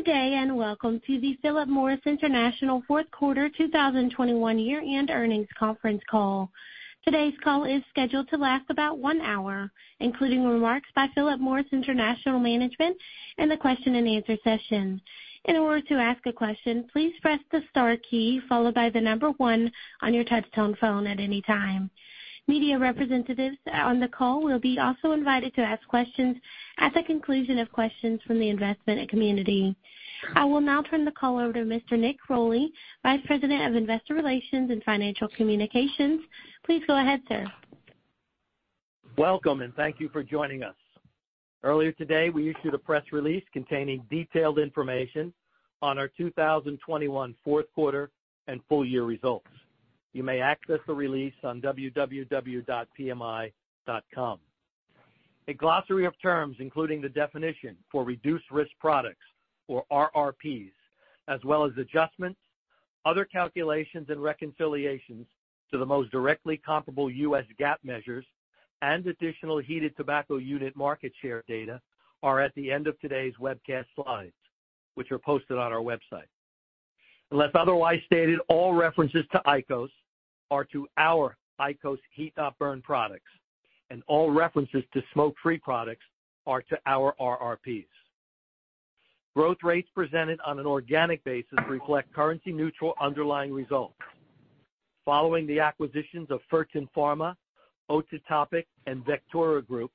Good day, and welcome to the Philip Morris International fourth quarter 2021 year-end earnings conference call. Today's call is scheduled to last about one hour, including remarks by Philip Morris International management and the question-and-answer session. In order to ask a question, please press the star key followed by the number one on your touch-tone phone at any time. Media representatives on the call will be also invited to ask questions at the conclusion of questions from the investment community. I will now turn the call over to Mr. Nick Rolli, Vice President of Investor Relations and Financial Communications. Please go ahead, sir. Welcome, and thank you for joining us. Earlier today, we issued a press release containing detailed information on our 2021 fourth quarter and full year results. You may access the release on www.pmi.com. A glossary of terms, including the definition for reduced-risk products or RRPs, as well as adjustments, other calculations and reconciliations to the most directly comparable US GAAP measures and additional heated tobacco unit market share data are at the end of today's webcast slides, which are posted on our website. Unless otherwise stated, all references to IQOS are to our IQOS heat-not-burn products, and all references to smoke-free products are to our RRPs. Growth rates presented on an organic basis reflect currency-neutral underlying results. Following the acquisitions of Fertin Pharma, OtiTopic, and Vectura Group,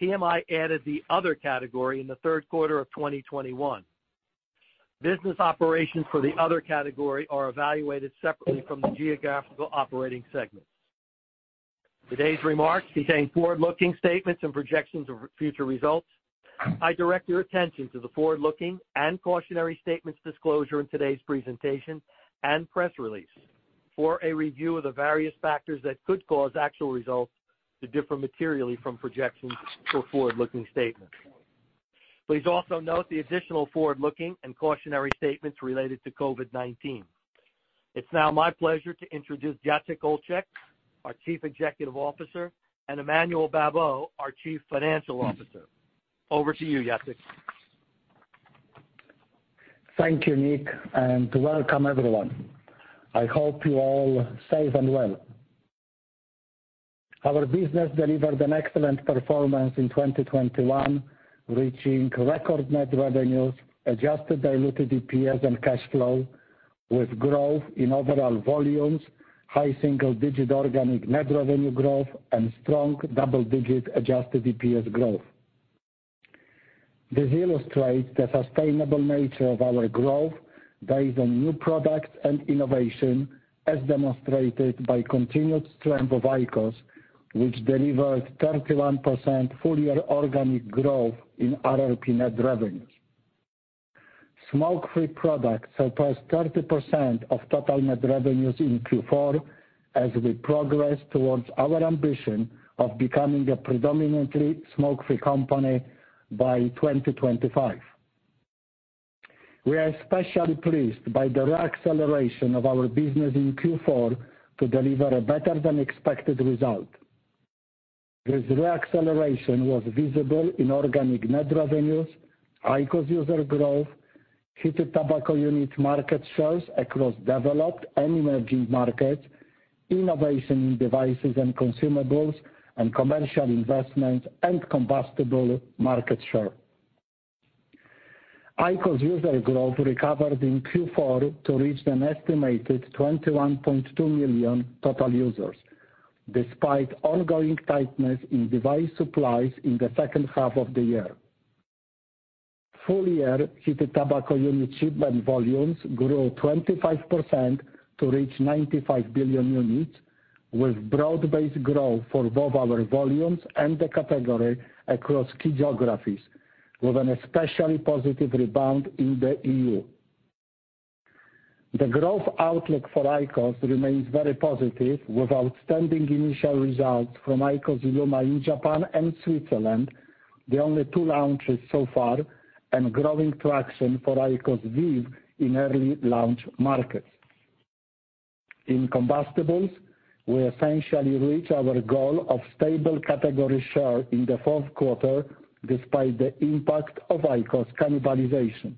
PMI added the other category in the third quarter of 2021. Business operations for the other category are evaluated separately from the geographical operating segments. Today's remarks contain forward-looking statements and projections of future results. I direct your attention to the forward-looking and cautionary statements disclosure in today's presentation and press release for a review of the various factors that could cause actual results to differ materially from projections or forward-looking statements. Please also note the additional forward-looking and cautionary statements related to COVID-19. It's now my pleasure to introduce Jacek Olczak, our Chief Executive Officer, and Emmanuel Babeau, our Chief Financial Officer. Over to you, Jacek. Thank you, Nick, and welcome everyone. I hope you're all safe and well. Our business delivered an excellent performance in 2021, reaching record net revenues, adjusted diluted EPS and cash flow with growth in overall volumes, high single-digit organic net revenue growth, and strong double-digit adjusted EPS growth. This illustrates the sustainable nature of our growth based on new products and innovation, as demonstrated by continued strength of IQOS, which delivered 31% full-year organic growth in RRP net revenues. Smoke-free products surpassed 30% of total net revenues in Q4 as we progress towards our ambition of becoming a predominantly smoke-free company by 2025. We are especially pleased by the re-acceleration of our business in Q4 to deliver a better than expected result. This re-acceleration was visible in organic net revenues, IQOS user growth, heated tobacco unit market shares across developed and emerging markets, innovation in devices and consumables and commercial investments and combustible market share. IQOS user growth recovered in Q4 to reach an estimated 21.2 million total users despite ongoing tightness in device supplies in the second half of the year. Full-year heated tobacco unit shipment volumes grew 25% to reach 95 billion units, with broad-based growth for both our volumes and the category across key geographies, with an especially positive rebound in the EU. The growth outlook for IQOS remains very positive, with outstanding initial results from IQOS ILUMA in Japan and Switzerland, the only two launches so far, and growing traction for IQOS VEEV in early launch markets. In combustibles, we essentially reached our goal of stable category share in the fourth quarter despite the impact of IQOS cannibalization.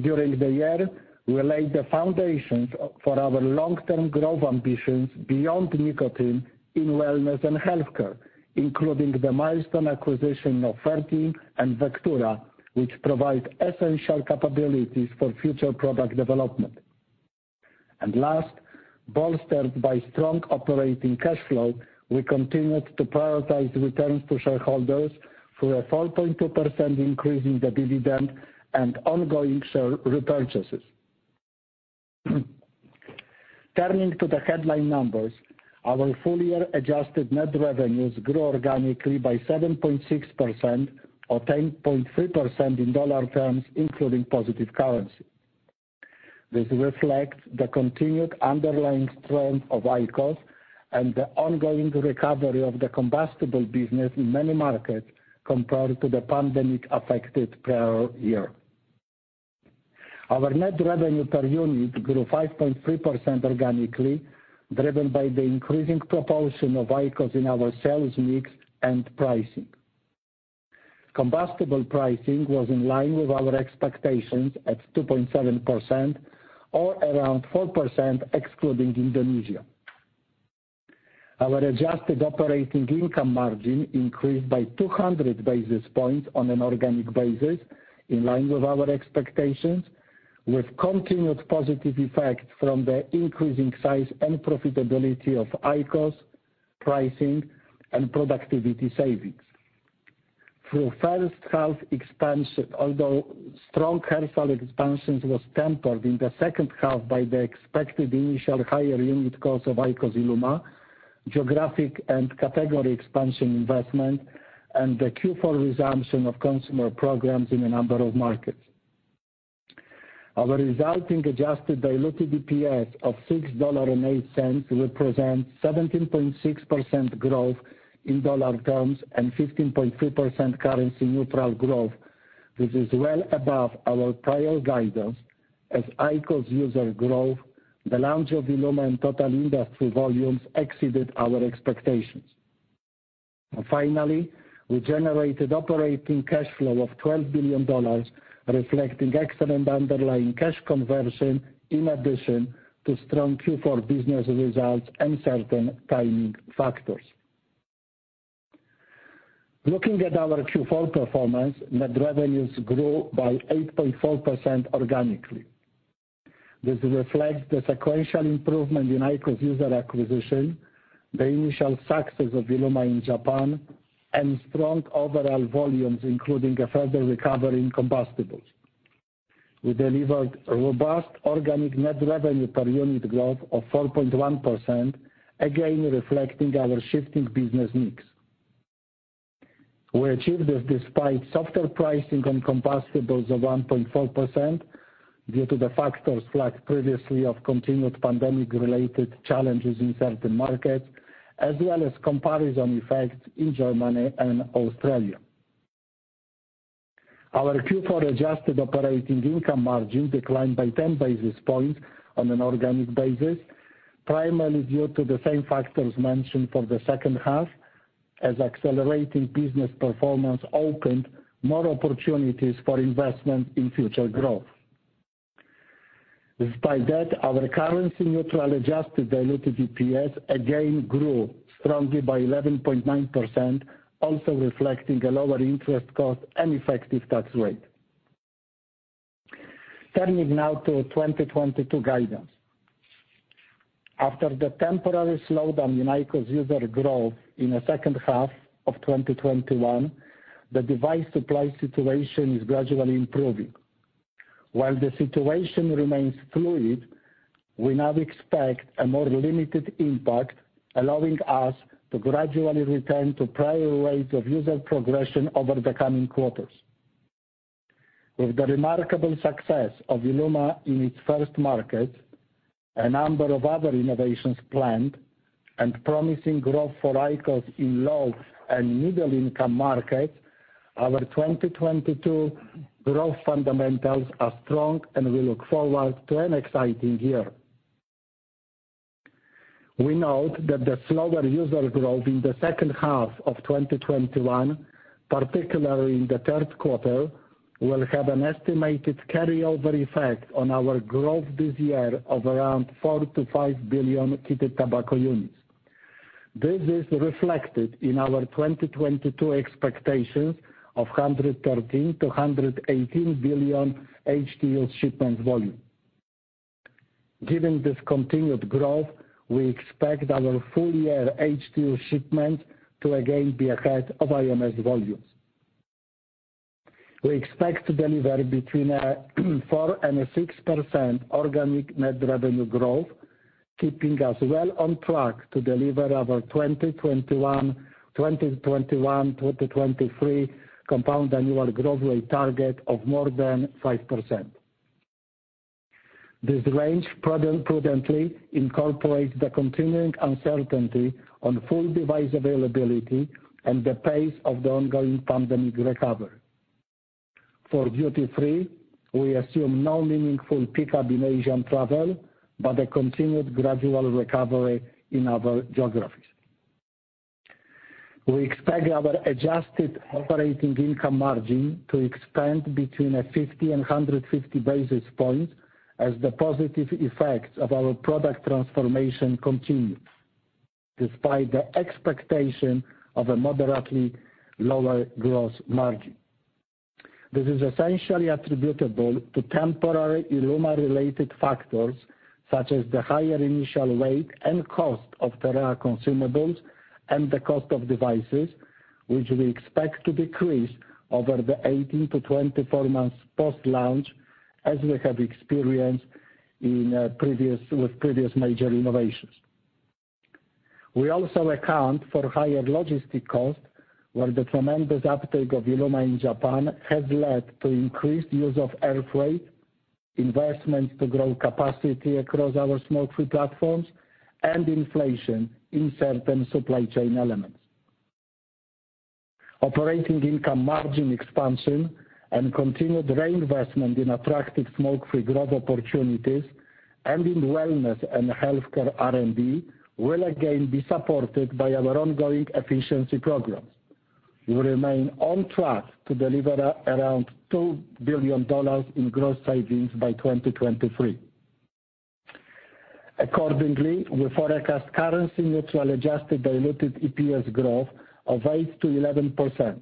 During the year, we laid the foundations for our long-term growth ambitions beyond nicotine in wellness and healthcare, including the milestone acquisition of Fertin and Vectura, which provide essential capabilities for future product development. Last, bolstered by strong operating cash flow, we continued to prioritize returns to shareholders through a 4.2% increase in the dividend and ongoing share repurchases. Turning to the headline numbers, our full-year adjusted net revenues grew organically by 7.6% or 10.3% in dollar terms, including positive currency. This reflects the continued underlying strength of IQOS and the ongoing recovery of the combustible business in many markets compared to the pandemic-affected prior year. Our net revenue per unit grew 5.3% organically, driven by the increasing proportion of IQOS in our sales mix and pricing. Combustible pricing was in line with our expectations at 2.7%, or around 4% excluding Indonesia. Our adjusted operating income margin increased by 200 basis points on an organic basis, in line with our expectations, with continued positive effect from the increasing size and profitability of IQOS, pricing, and productivity savings. Through first half expansion, although strong half expansion was tempered in the second half by the expected initial higher unit cost of IQOS ILUMA, geographic and category expansion investment, and the Q4 resumption of consumer programs in a number of markets. Our resulting adjusted diluted EPS of $6.08 represents 17.6% growth in dollar terms and 15.3% currency neutral growth, which is well above our prior guidance as IQOS user growth, the launch of ILUMA, and total industry volumes exceeded our expectations. Finally, we generated operating cash flow of $12 billion, reflecting excellent underlying cash conversion in addition to strong Q4 business results and certain timing factors. Looking at our Q4 performance, net revenues grew by 8.4% organically. This reflects the sequential improvement in IQOS user acquisition, the initial success of ILUMA in Japan, and strong overall volumes, including a further recovery in combustibles. We delivered a robust organic net revenue per unit growth of 4.1%, again reflecting our shifting business mix. We achieved this despite softer pricing on combustibles of 1.4% due to the factors flagged previously of continued pandemic-related challenges in certain markets, as well as comparison effects in Germany and Australia. Our Q4 adjusted operating income margin declined by 10 basis points on an organic basis, primarily due to the same factors mentioned for the second half, as accelerating business performance opened more opportunities for investment in future growth. Despite that, our currency neutral adjusted diluted EPS again grew strongly by 11.9%, also reflecting a lower interest cost and effective tax rate. Turning now to 2022 guidance. After the temporary slowdown in IQOS user growth in the second half of 2021, the device supply situation is gradually improving. While the situation remains fluid, we now expect a more limited impact, allowing us to gradually return to prior rates of user progression over the coming quarters. With the remarkable success of ILUMA in its first markets, a number of other innovations planned, and promising growth for IQOS in low- and middle-income markets, our 2022 growth fundamentals are strong, and we look forward to an exciting year. We note that the slower user growth in the second half of 2021, particularly in the third quarter, will have an estimated carryover effect on our growth this year of around 4 billion-5 billion heated tobacco units. This is reflected in our 2022 expectations of 113 billion-118 billion HTUs shipment volume. Given this continued growth, we expect our full year HTUs shipment to again be ahead of IMS volumes. We expect to deliver between 4% and 6% organic net revenue growth, keeping us well on track to deliver our 2021-2023 compound annual growth rate target of more than 5%. This range prudently incorporates the continuing uncertainty on full device availability and the pace of the ongoing pandemic recovery. For duty-free, we assume no meaningful pickup in Asian travel, but a continued gradual recovery in other geographies. We expect our adjusted operating income margin to expand between 50 and 150 basis points as the positive effects of our product transformation continues, despite the expectation of a moderately lower gross margin. This is essentially attributable to temporary ILUMA-related factors, such as the higher initial weight and cost of the TEREA consumables and the cost of devices, which we expect to decrease over the 18-24 months post-launch, as we have experienced with previous major innovations. We also account for higher logistic costs, where the tremendous uptake of ILUMA in Japan has led to increased use of air freight, investments to grow capacity across our smoke-free platforms, and inflation in certain supply chain elements. Operating income margin expansion and continued reinvestment in attractive smoke-free growth opportunities and in wellness and healthcare R&D will again be supported by our ongoing efficiency programs. We remain on track to deliver around $2 billion in gross savings by 2023. Accordingly, we forecast currency neutral adjusted diluted EPS growth of 8%-11%.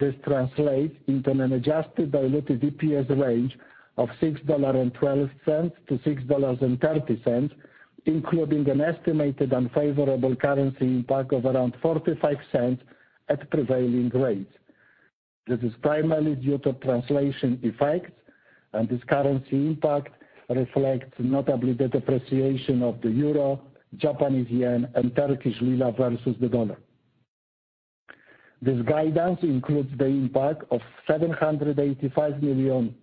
This translates into an adjusted diluted EPS range of $6.12-$6.30, including an estimated unfavorable currency impact of around $0.45 at prevailing rates. This is primarily due to translation effects, and this currency impact reflects notably the depreciation of the euro, Japanese yen, and Turkish lira versus the dollar. This guidance includes the impact of $785 million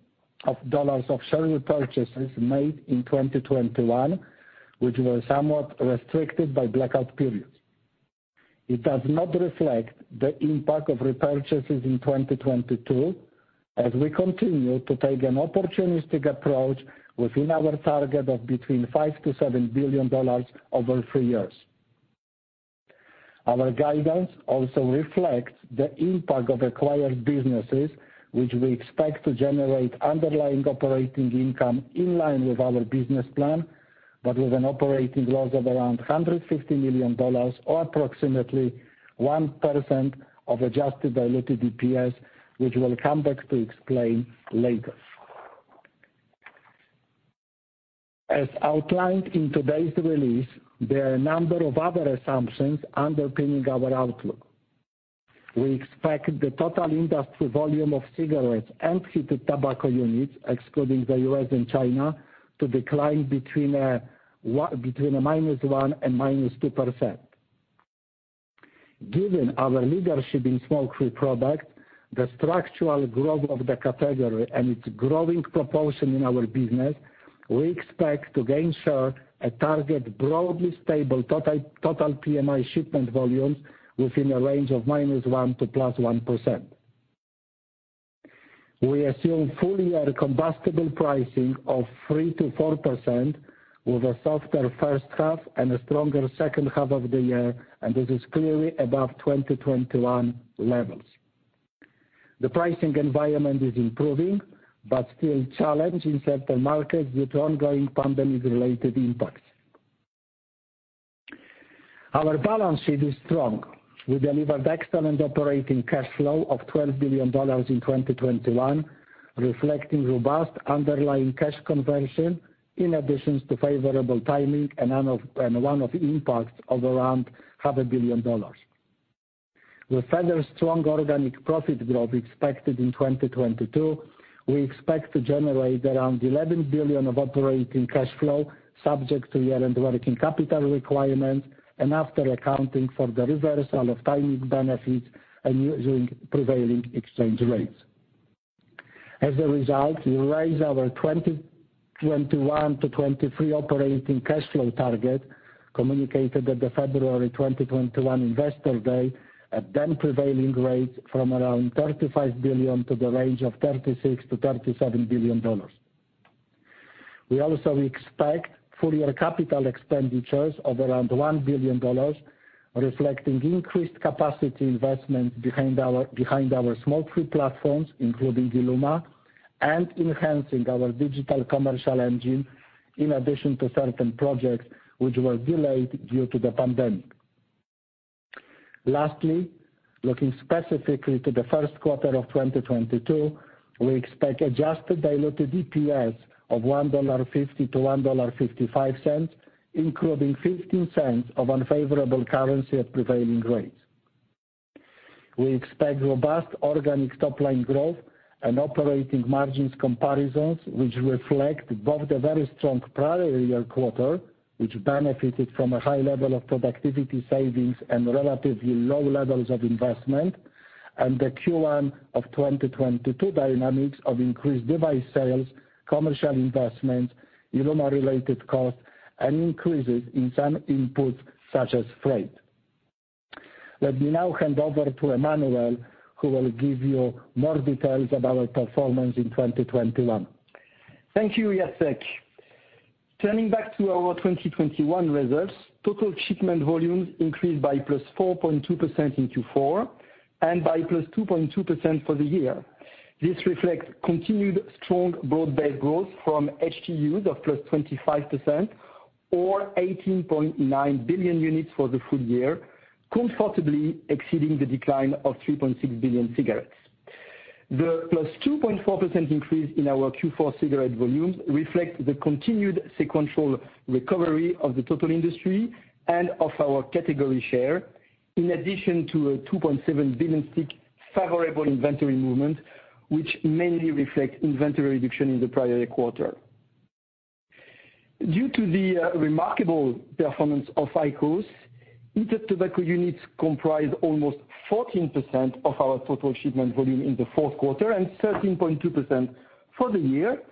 of share repurchases made in 2021, which were somewhat restricted by blackout periods. It does not reflect the impact of repurchases in 2022, as we continue to take an opportunistic approach within our target of between $5 billion-$7 billion over three years. Our guidance also reflects the impact of acquired businesses, which we expect to generate underlying operating income in line with our business plan, but with an operating loss of around $150 million or approximately 1% of adjusted diluted EPS, which we'll come back to explain later. As outlined in today's release, there are a number of other assumptions underpinning our outlook. We expect the total industry volume of cigarettes and heated tobacco units, excluding the U.S. and China, to decline between -1% and -2%. Given our leadership in smoke-free products, the structural growth of the category, and its growing proportion in our business, we expect to gain share and target broadly stable total PMI shipment volumes within a range of -1% to +1%. We assume full-year combustible pricing of 3%-4% with a softer first half and a stronger second half of the year, and this is clearly above 2021 levels. The pricing environment is improving, but still a challenge in certain markets with ongoing pandemic-related impacts. Our balance sheet is strong. We delivered excellent operating cash flow of $12 billion in 2021, reflecting robust underlying cash conversion, in addition to favorable timing and one-off impacts of around half a billion dollars. With further strong organic profit growth expected in 2022, we expect to generate around 11 billion of operating cash flow, subject to year-end working capital requirements and after accounting for the reversal of timing benefits and using prevailing exchange rates. As a result, we raise our 2021 to 2023 operating cash flow target communicated at the February 2021 Investor Day at then prevailing rates from around $35 billion to the range of $36 billion-$37 billion. We also expect full-year capital expenditures of around $1 billion, reflecting increased capacity investment behind our smoke-free platforms, including Iluma, and enhancing our digital commercial engine, in addition to certain projects which were delayed due to the pandemic. Lastly, looking specifically to the first quarter of 2022, we expect adjusted diluted EPS of $1.50-$1.55, including $0.15 of unfavorable currency at prevailing rates. We expect robust organic top-line growth and operating margins comparisons which reflect both the very strong prior-year quarter, which benefited from a high level of productivity savings and relatively low levels of investment, and the Q1 of 2022 dynamics of increased device sales, commercial investments, ILUMA-related costs, and increases in some inputs such as freight. Let me now hand over to Emmanuel, who will give you more details about our performance in 2021. Thank you, Jacek. Turning back to our 2021 results, total shipment volumes increased by +4.2% in Q4 and by +2.2% for the year. This reflects continued strong broad-based growth from HTUs of +25% or 18.9 billion units for the full year, comfortably exceeding the decline of 3.6 billion cigarettes. The +2.4% increase in our Q4 cigarette volumes reflects the continued sequential recovery of the total industry and of our category share, in addition to a 2.7 billion stick favorable inventory movement, which mainly reflects inventory reduction in the prior year quarter. Due to the remarkable performance of IQOS, heated tobacco units comprise almost 14% of our total shipment volume in the fourth quarter and 13.2% for the year.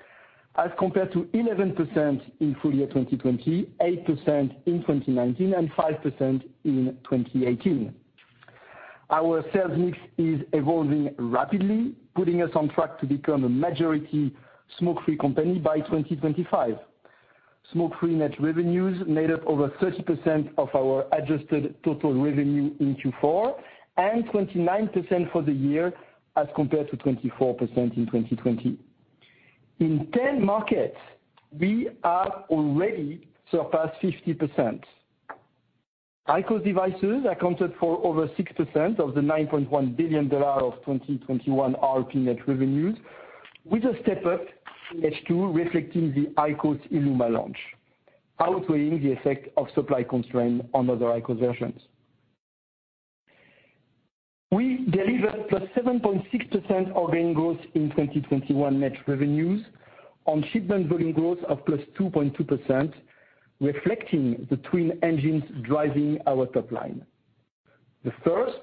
Compared to 11% in full year 2020, 8% in 2019, and 5% in 2018. Our sales mix is evolving rapidly, putting us on track to become a majority smoke-free company by 2025. Smoke-free net revenues made up over 30% of our adjusted total revenue in Q4, and 29% for the year compared to 24% in 2020. In 10 markets, we have already surpassed 50%. IQOS devices accounted for over 6% of the $9.1 billion of 2021 RRP net revenues. With a step up in H2 reflecting the IQOS ILUMA launch, outweighing the effect of supply constraints on other IQOS versions. We delivered +7.6% organic growth in 2021 net revenues on shipment volume growth of +2.2%, reflecting the twin engines driving our top line. The first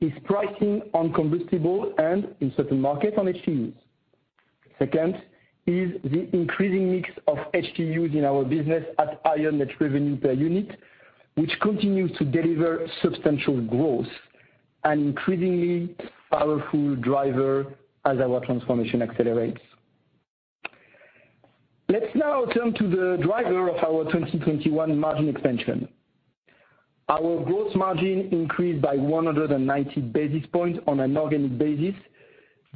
is pricing on combustible and in certain markets on HTUs. Second is the increasing mix of HTUs in our business at higher net revenue per unit, which continues to deliver substantial growth and increasingly powerful driver as our transformation accelerates. Let's now turn to the driver of our 2021 margin expansion. Our gross margin increased by 190 basis points on an organic basis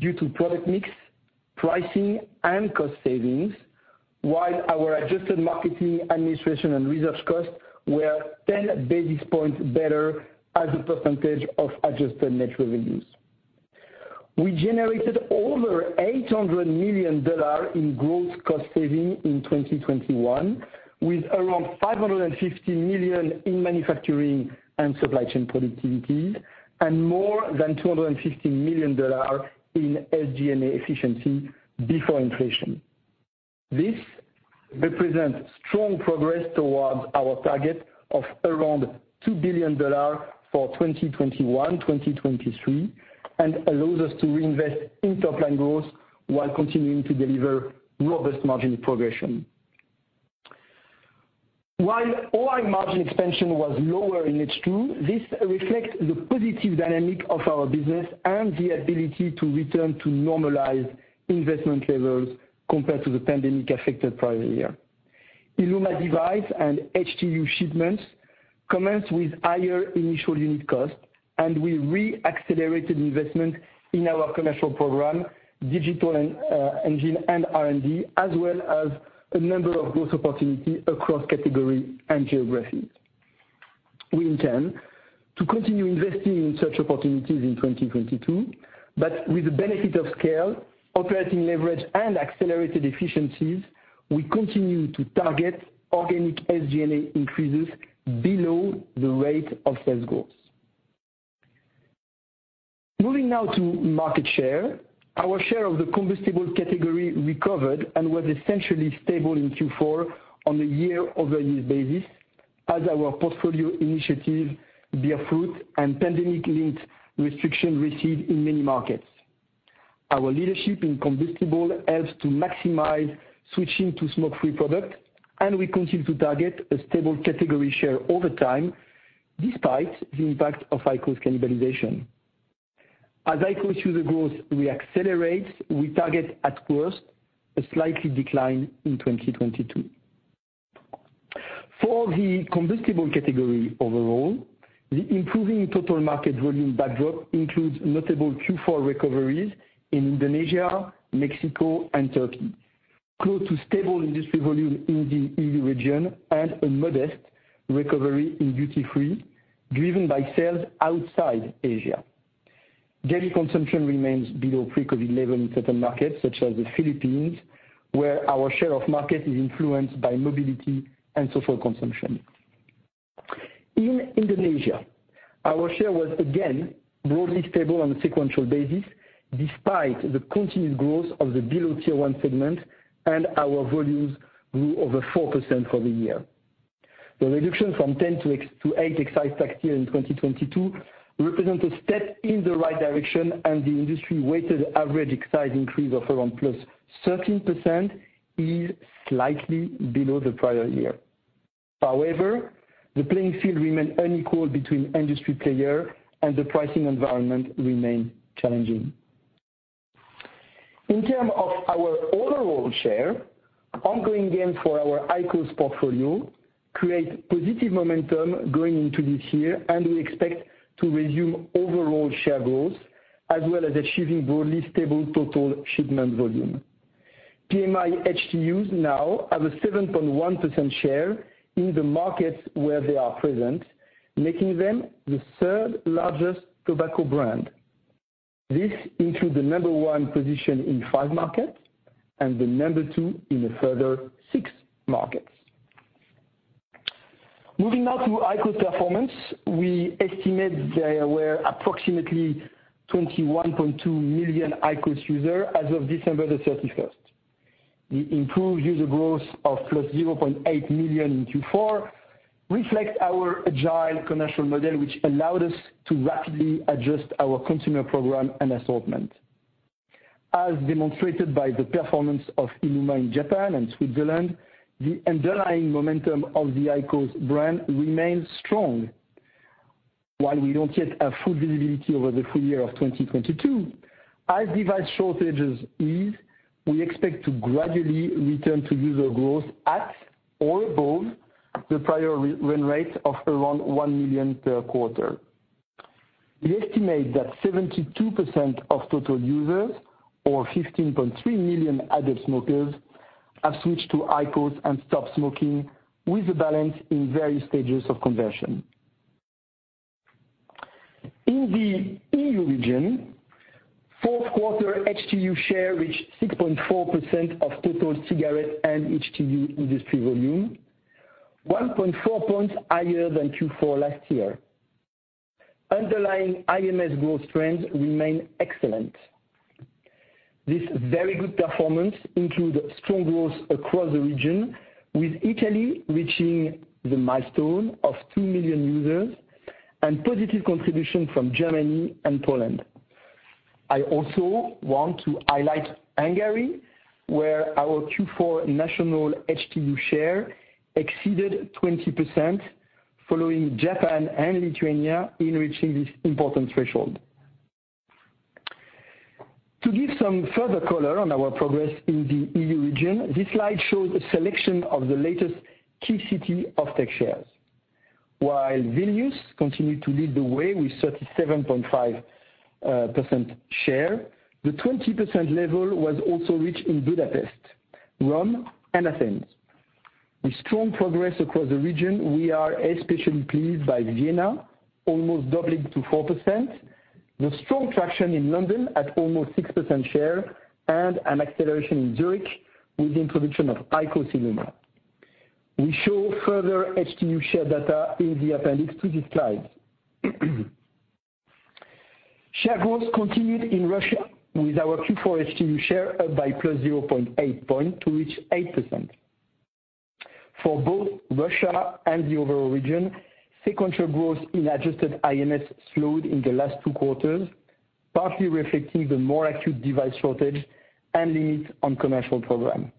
due to product mix, pricing, and cost savings, while our adjusted marketing, administration, and research costs were 10 basis points better as a percentage of adjusted net revenues. We generated over $800 million in gross cost saving in 2021, with around $550 million in manufacturing and supply chain productivities and more than $250 million in SG&A efficiency before inflation. This represents strong progress towards our target of around $2 billion for 2021 to 2023, and allows us to reinvest in top-line growth while continuing to deliver robust margin progression. While OI margin expansion was lower in H2, this reflects the positive dynamic of our business and the ability to return to normalized investment levels compared to the pandemic-affected prior year. ILUMA device and HTU shipments commenced with higher initial unit costs, and we re-accelerated investment in our commercial program, digital engine, and R&D, as well as a number of growth opportunities across category and geographies. We intend to continue investing in such opportunities in 2022, but with the benefit of scale, operating leverage, and accelerated efficiencies, we continue to target organic SG&A increases below the rate of sales growth. Moving now to market share. Our share of the combustible category recovered and was essentially stable in Q4 on a year-over-year basis as our portfolio initiative Bear Fruit and pandemic-linked restriction recede in many markets. Our leadership in combustible helps to maximize switching to smoke-free product, and we continue to target a stable category share over time, despite the impact of IQOS cannibalization. As IQOS user growth re-accelerates, we target at worst a slight decline in 2022. For the combustible category overall, the improving total market volume backdrop includes notable Q4 recoveries in Indonesia, Mexico, and Turkey. Close to stable industry volume in the EU region and a modest recovery in duty-free, driven by sales outside Asia. Daily consumption remains below pre-COVID level in certain markets, such as the Philippines, where our share of market is influenced by mobility and social consumption. In Indonesia, our share was again broadly stable on a sequential basis, despite the continued growth of the below tier one segment and our volumes grew over 4% for the year. The reduction from ten to eight excise tax tier in 2022 represents a step in the right direction, and the industry weighted average excise increase of around +13% is slightly below the prior year. However, the playing field remains unequal between industry players and the pricing environment remains challenging. In terms of our overall share, ongoing gains for our IQOS portfolio create positive momentum going into this year, and we expect to resume overall share growth as well as achieving broadly stable total shipment volume. PMI HTUs now have a 7.1% share in the markets where they are present, making them the third-largest tobacco brand. This includes the number one position in five markets and the number two in a further six markets. Moving now to IQOS performance. We estimate there were approximately 21.2 million IQOS users as of December 31st. The improved user growth of +0.8 million in Q4 reflects our agile commercial model, which allowed us to rapidly adjust our consumer program and assortment. As demonstrated by the performance of ILUMA in Japan and Switzerland, the underlying momentum of the IQOS brand remains strong. While we don't yet have full visibility over the full year of 2022, as device shortages ease, we expect to gradually return to user growth at or above the prior run rate of around 1 million per quarter. We estimate that 72% of total users or 15.3 million adult smokers have switched to IQOS and stopped smoking with a balance in various stages of conversion. In the EU region, fourth quarter HTU share reached 6.4% of total cigarettes and HTU industry volume, 1.4 points higher than Q4 last year. Underlying IMS growth trends remain excellent. This very good performance includes strong growth across the region, with Italy reaching the milestone of 2 million users and positive contribution from Germany and Poland. I also want to highlight Hungary, where our Q4 national HTU share exceeded 20% following Japan and Lithuania in reaching this important threshold. To give some further color on our progress in the EU region, this slide shows a selection of the latest key city offtake shares. While Vilnius continued to lead the way with 37.5% share, the 20% level was also reached in Budapest, Rome, and Athens. With strong progress across the region, we are especially pleased by Vienna almost doubling to 4%, the strong traction in London at almost 6% share, and an acceleration in Zurich with the introduction of IQOS ILUMA. We show further HTU share data in the appendix to this slide. Share growth continued in Russia with our Q4 HTU share up by +0.8 points to reach 8%. For both Russia and the overall region, sequential growth in adjusted IMS slowed in the last two quarters, partly reflecting the more acute device shortage and limits on commercial program.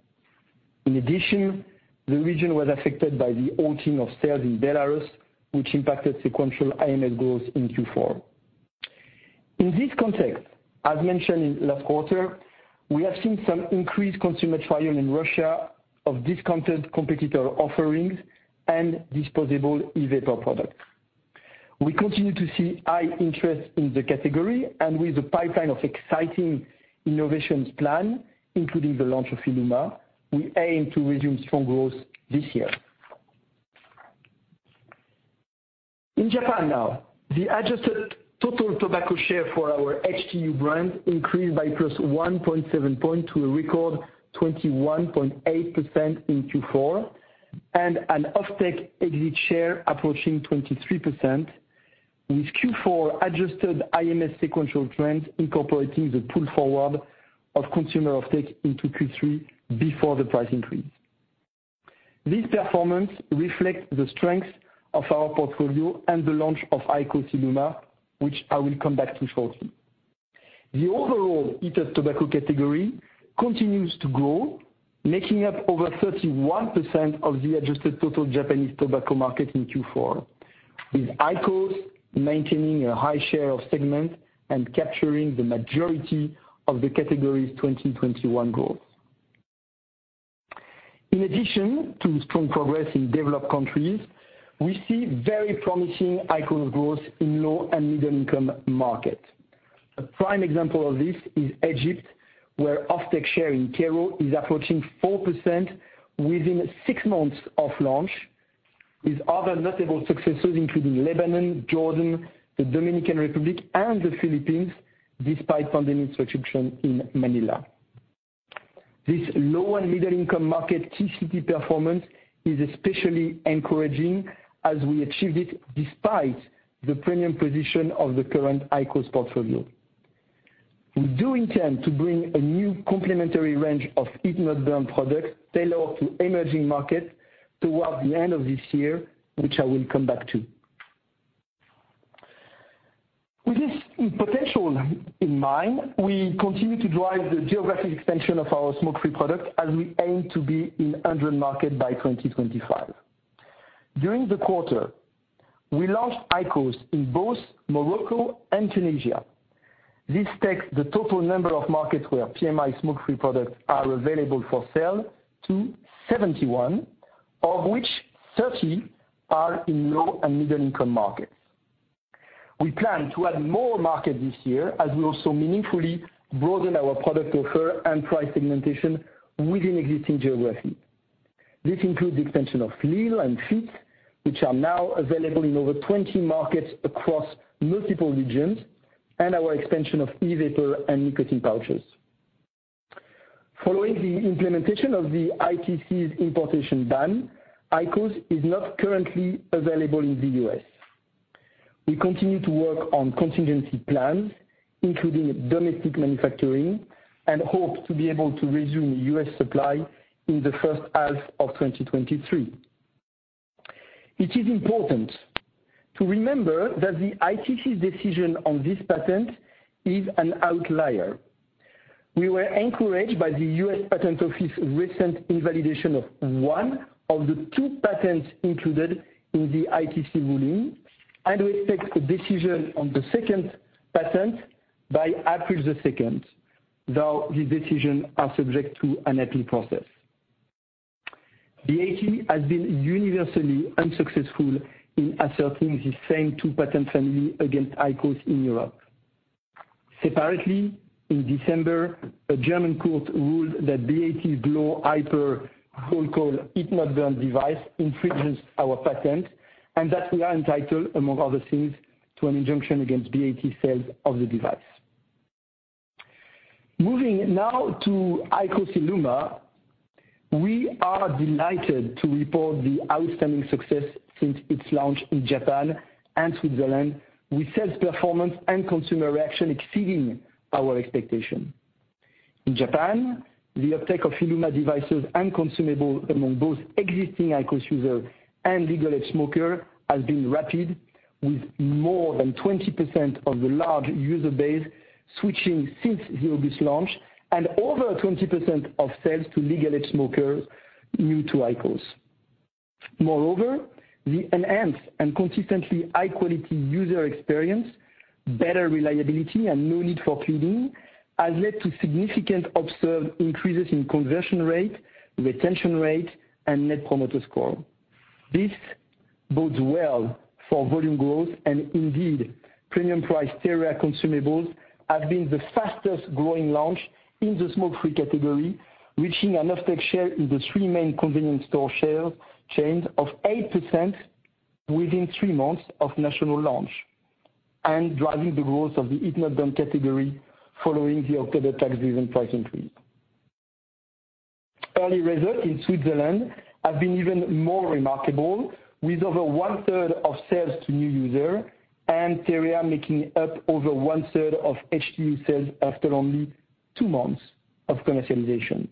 In addition, the region was affected by the halting of sales in Belarus, which impacted sequential IMS growth in Q4. In this context, as mentioned in last quarter, we have seen some increased consumer trial in Russia of discounted competitor offerings and disposable e-vapor products. We continue to see high interest in the category, and with a pipeline of exciting innovations planned, including the launch of ILUMA, we aim to resume strong growth this year. In Japan now, the adjusted total tobacco share for our HTU brand increased by +1.7 points to a record 21.8% in Q4, and an offtake exit share approaching 23%, with Q4 adjusted IMS sequential trends incorporating the pull forward of consumer offtake into Q3 before the price increase. This performance reflects the strength of our portfolio and the launch of IQOS ILUMA, which I will come back to shortly. The overall heated tobacco category continues to grow, making up over 31% of the adjusted total Japanese tobacco market in Q4, with IQOS maintaining a high share of segment and capturing the majority of the category's 2021 growth. In addition to strong progress in developed countries, we see very promising IQOS growth in low and middle-income markets. A prime example of this is Egypt, where offtake share in Cairo is approaching 4% within six months of launch, with other notable successes including Lebanon, Jordan, the Dominican Republic, and the Philippines, despite pandemic restrictions in Manila. This low and middle-income market key city performance is especially encouraging as we achieved it despite the premium position of the current IQOS portfolio. We do intend to bring a new complementary range of heat-not-burn products tailored to emerging markets towards the end of this year, which I will come back to. With this potential in mind, we continue to drive the geographic expansion of our smoke-free products as we aim to be in 100 markets by 2025. During the quarter, we launched IQOS in both Morocco and Tunisia. This takes the total number of markets where PMI smoke-free products are available for sale to 71, of which 30 are in low- and middle-income markets. We plan to add more markets this year as we also meaningfully broaden our product offer and price segmentation within existing geography. This includes the expansion of lil and Fiit, which are now available in over 20 markets across multiple regions, and our expansion of e-vapor and nicotine pouches. Following the implementation of the ITC's importation ban, IQOS is not currently available in the U.S. We continue to work on contingency plans, including domestic manufacturing, and hope to be able to resume U.S. supply in the first half of 2023. It is important to remember that the ITC decision on this patent is an outlier. We were encouraged by the U.S. Patent Office recent invalidation of one of the two patents included in the ITC ruling, and we expect a decision on the second patent by April 2nd, though the decisions are subject to an appeal process. BAT has been universally unsuccessful in asserting the same two patent family against IQOS in Europe. Separately, in December, a German court ruled that BAT's QA Quality Check In Japan, the uptake of ILUMA devices and consumables among both existing IQOS users and legal age smokers has been rapid, with more than 20% of the large user base switching since the August launch and over 20% of sales to legal age smokers new to IQOS. Moreover, the enhanced and consistently high-quality user experience, better reliability, and no need for cleaning have led to significant observed increases in conversion rate, retention rate, and net promoter score. This bodes well for volume growth and indeed premium price TEREA consumables have been the fastest growing launch in the smoke-free category, reaching an offtake share in the three main convenience store chains of 8% within three months of national launch and driving the growth of the heat-not-burn category following the October tax-driven price increase. Early results in Switzerland have been even more remarkable, with over 1/3 of sales to new users and TEREA making up over 1/3 of HTU sales after only two months of commercialization.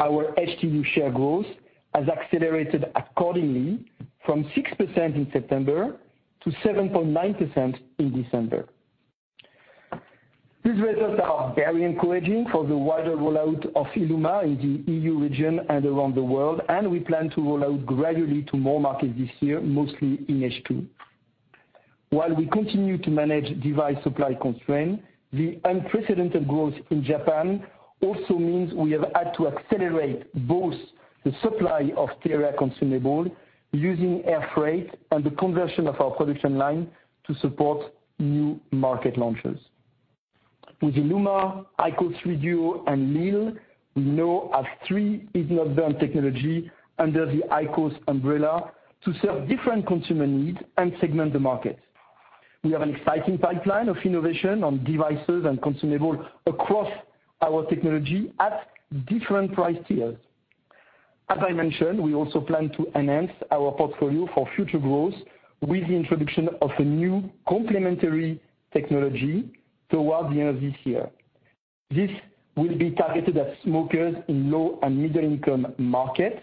Our HTU share growth has accelerated accordingly from 6% in September to 7.9% in December. These results are very encouraging for the wider rollout of ILUMA in the EU region and around the world, and we plan to roll out gradually to more markets this year, mostly in H2. While we continue to manage device supply constraints, the unprecedented growth in Japan also means we have had to accelerate both the supply of TEREA consumables using air freight and the conversion of our production line to support new market launches. With ILUMA, IQOS DUO, and lil, we now have three heat-not-burn technologies under the IQOS umbrella to serve different consumer needs and segment the market. We have an exciting pipeline of innovation on devices and consumables across our technology at different price tiers. As I mentioned, we also plan to enhance our portfolio for future growth with the introduction of a new complementary technology towards the end of this year. This will be targeted at smokers in low and middle-income markets,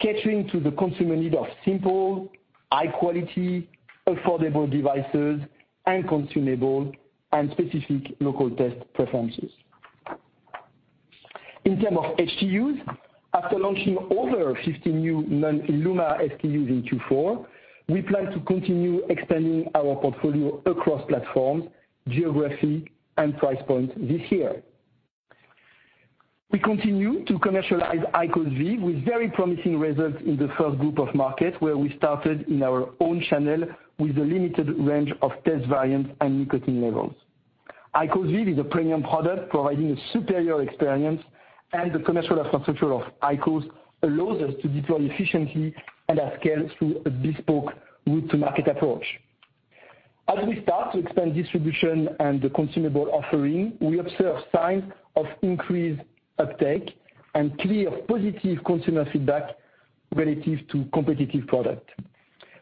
catering to the consumer need of simple, high-quality, affordable devices and consumables and specific local taste preferences. In terms of HTUs, after launching over 50 new non-ILUMA HTUs in Q4, we plan to continue expanding our portfolio across platforms, geography, and price points this year. We continue to commercialize IQOS VEEV with very promising results in the first group of markets where we started in our own channel with a limited range of taste variants and nicotine levels. IQOS VEEV is a premium product providing a superior experience, and the commercial infrastructure of IQOS allows us to deploy efficiently and at scale through a bespoke route to market approach. As we start to expand distribution and the consumable offering, we observe signs of increased uptake and clear positive consumer feedback relative to competitive product.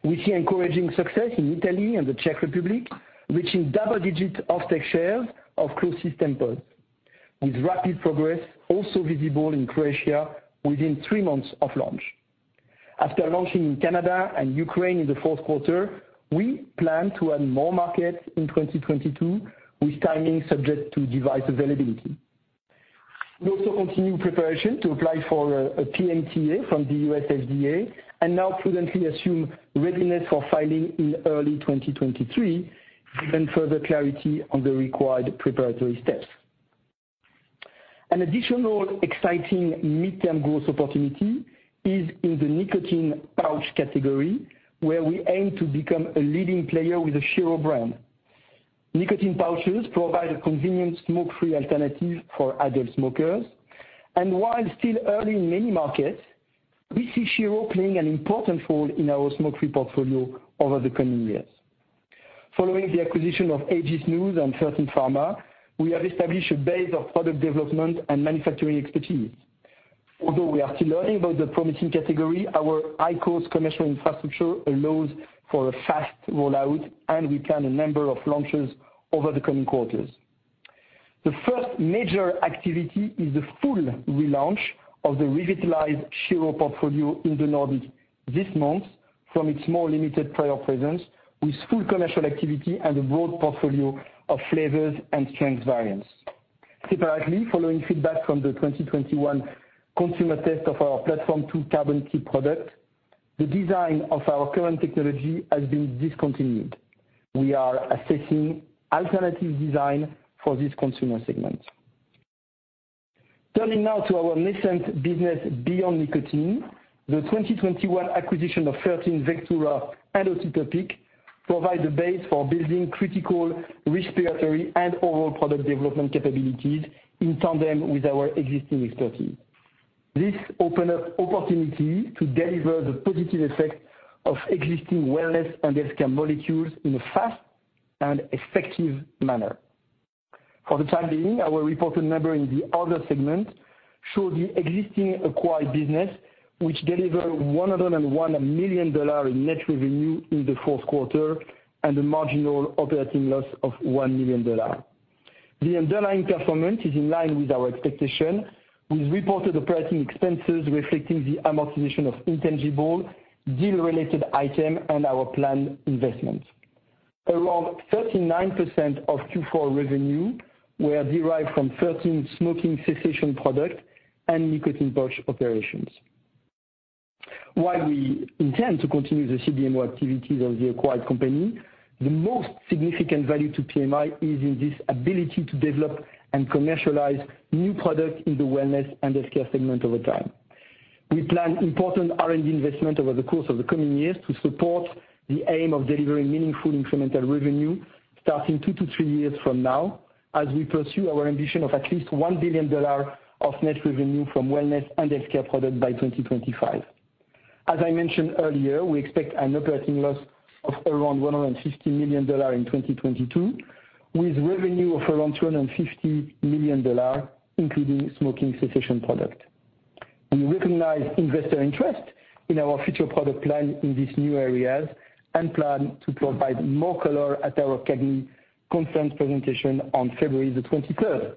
We see encouraging success in Italy and the Czech Republic, reaching double-digit offtake shares of closed system pods, with rapid progress also visible in Croatia within three months of launch. After launching in Canada and Ukraine in the fourth quarter, we plan to add more markets in 2022, with timing subject to device availability. We also continue preparation to apply for a PMTA from the U.S. FDA and now prudently assume readiness for filing in early 2023, given further clarity on the required preparatory steps. An additional exciting midterm growth opportunity is in the nicotine pouch category, where we aim to become a leading player with the Shiro brand. Nicotine pouches provide a convenient smoke-free alternative for adult smokers. While still early in many markets, we see Shiro playing an important role in our smoke-free portfolio over the coming years. Following the acquisition of AG Snus and Fertin Pharma, we have established a base of product development and manufacturing expertise. Although we are still learning about the promising category, our high cost commercial infrastructure allows for a fast rollout, and we plan a number of launches over the coming quarters. The first major activity is the full relaunch of the revitalized Shiro portfolio in the Nordics this month from its more limited prior presence, with full commercial activity and a broad portfolio of flavors and strengths variants. Separately, following feedback from the 2021 consumer test of our TEEPS, the design of our current technology has been discontinued. We are assessing alternative design for this consumer segment. Turning now to our nascent business beyond nicotine, the 2021 acquisition of Vectura and OtiTopic provide the base for building critical respiratory and overall product development capabilities in tandem with our existing expertise. This open up opportunity to deliver the positive effect of existing wellness and skin molecules in a fast and effective manner. For the time being, our reported number in the other segment show the existing acquired business, which delivered $101 million in net revenue in the fourth quarter and a marginal operating loss of $1 million. The underlying performance is in line with our expectation, with reported operating expenses reflecting the amortization of intangible deal-related item and our planned investment. Around 39% of Q4 revenue were derived from 13 smoking cessation product and nicotine pouch operations. While we intend to continue the CDMO activities of the acquired company, the most significant value to PMI is in this ability to develop and commercialize new products in the wellness and the skin segment over time. We plan important R&D investment over the course of the coming years to support the aim of delivering meaningful incremental revenue starting two to three years from now, as we pursue our ambition of at least $1 billion of net revenue from wellness and skin product by 2025. We expect an operating loss of around $150 million in 2022, with revenue of around $250 million, including smoking cessation product. We recognize investor interest in our future product plan in these new areas and plan to provide more color at our CAGNY conference presentation on February 23rd.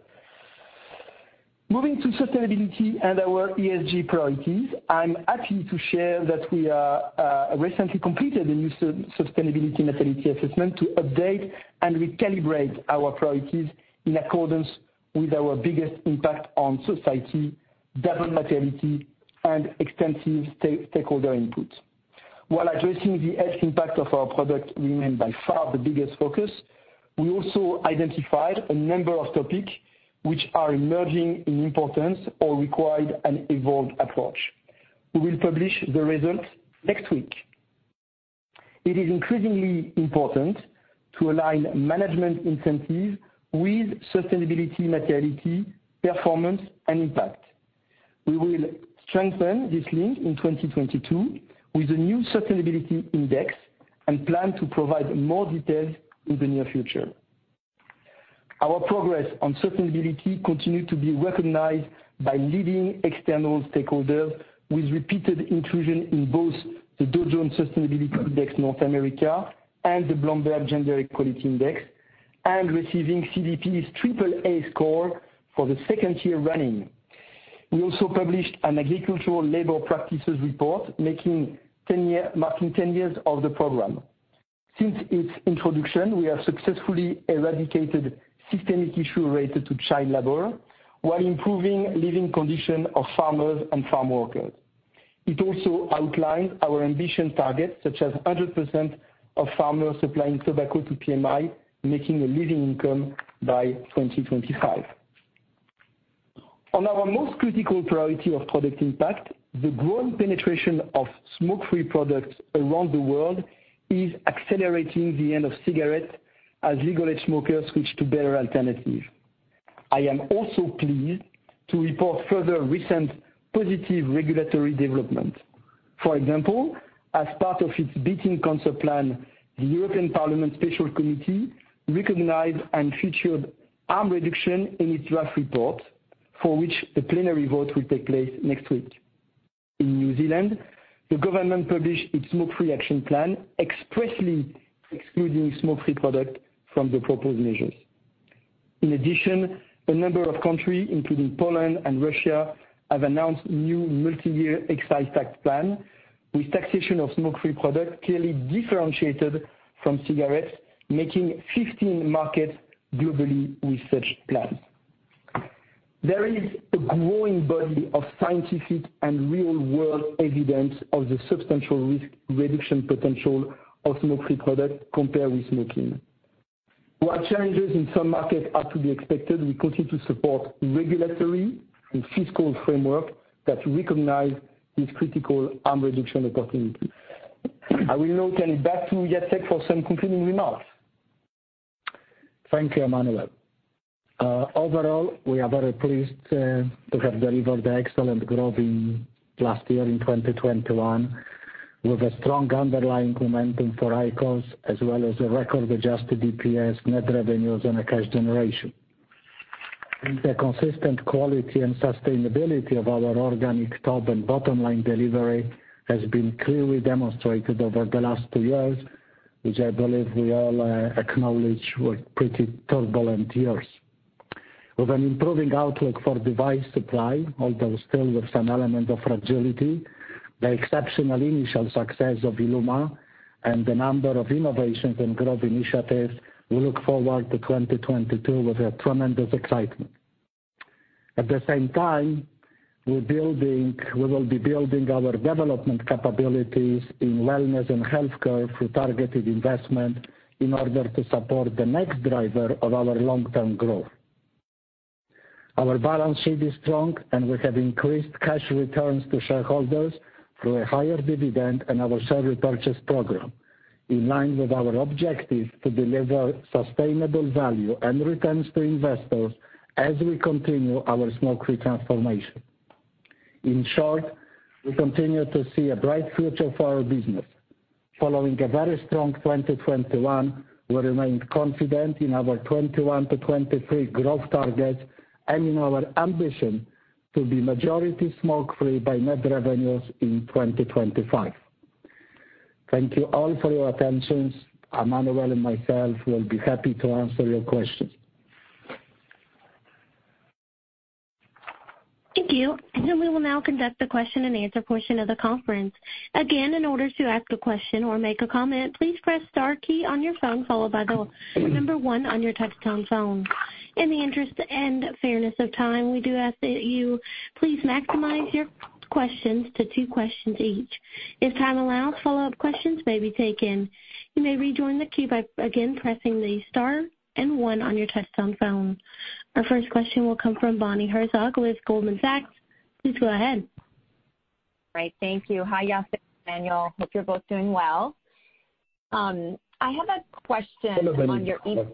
Moving to sustainability and our ESG priorities, I'm happy to share that we have recently completed a new sustainability materiality assessment to update and recalibrate our priorities in accordance with our biggest impact on society, double materiality and extensive stakeholder input. While addressing the health impact of our product remained by far the biggest focus, we also identified a number of topics which are emerging in importance or required an evolved approach. We will publish the results next week. It is increasingly important to align management incentives with sustainability, materiality, performance and impact. We will strengthen this link in 2022 with a new sustainability index and plan to provide more details in the near future. Our progress on sustainability continued to be recognized by leading external stakeholders with repeated inclusion in both the Dow Jones Sustainability North America Index and the Bloomberg Gender-Equality Index, and receiving CDP's AAA score for the second year running. We also published an agricultural labor practices report, marking 10 years of the program. Since its introduction, we have successfully eradicated systemic issues related to child labor while improving living conditions of farmers and farm workers. It also outlines our ambitious targets, such as 100% of farmers supplying tobacco to PMI making a living income by 2025. On our most critical priority of product impact, the growing penetration of smoke-free products around the world is accelerating the end of cigarettes as legal-age smokers switch to better alternatives. I am also pleased to report further recent positive regulatory developments. For example, as part of Europe's Beating Cancer Plan, the European Parliament's Special Committee on Beating Cancer recognized and featured harm reduction in its draft report, for which the plenary vote will take place next week. In New Zealand, the government published its smoke-free action plan, expressly excluding smoke-free products from the proposed measures. In addition, a number of countries, including Poland and Russia, have announced new multi-year excise tax plans, with taxation of smoke-free products clearly differentiated from cigarettes, making 15 markets globally with such plans. There is a growing body of scientific and real-world evidence of the substantial risk reduction potential of smoke-free products compared with smoking. While changes in some markets are to be expected, we continue to support regulatory and fiscal frameworks that recognize this critical harm reduction opportunity. I will now turn it back to Jacek for some concluding remarks. Thank you, Emmanuel. Overall, we are very pleased to have delivered the excellent growth in last year in 2021. With a strong underlying momentum for IQOS, as well as a record adjusted EPS, net revenues, and a cash generation. The consistent quality and sustainability of our organic top and bottom-line delivery has been clearly demonstrated over the last two years, which I believe we all acknowledge were pretty turbulent years. With an improving outlook for device supply, although still with an element of fragility, the exceptional initial success of ILUMA and the number of innovations and growth initiatives, we look forward to 2022 with a tremendous excitement. At the same time, we will be building our development capabilities in wellness and health care through targeted investment in order to support the next driver of our long-term growth. Our balance sheet is strong, and we have increased cash returns to shareholders through a higher dividend and our share repurchase program, in line with our objective to deliver sustainable value and returns to investors as we continue our smoke-free transformation. In short, we continue to see a bright future for our business. Following a very strong 2021, we remain confident in our 2021 to 2023 growth targets and in our ambition to be majority smoke-free by net revenues in 2025. Thank you all for your attention. Emmanuel and myself will be happy to answer your questions. Thank you. We will now conduct the question-and-answer portion of the conference. Again, in order to ask a question or make a comment, please press star key on your phone, followed by the one on your touchtone phone. In the interest and fairness of time, we do ask that you please limit your questions to two questions each. If time allows, follow-up questions may be taken. You may rejoin the queue by again pressing the star and one on your touchtone phone. Our first question will come from Bonnie Herzog with Goldman Sachs. Please go ahead. Right. Thank you. Hi, Jacek and Emmanuel. Hope you're both doing well. I have a question on your. Hello, Bonnie.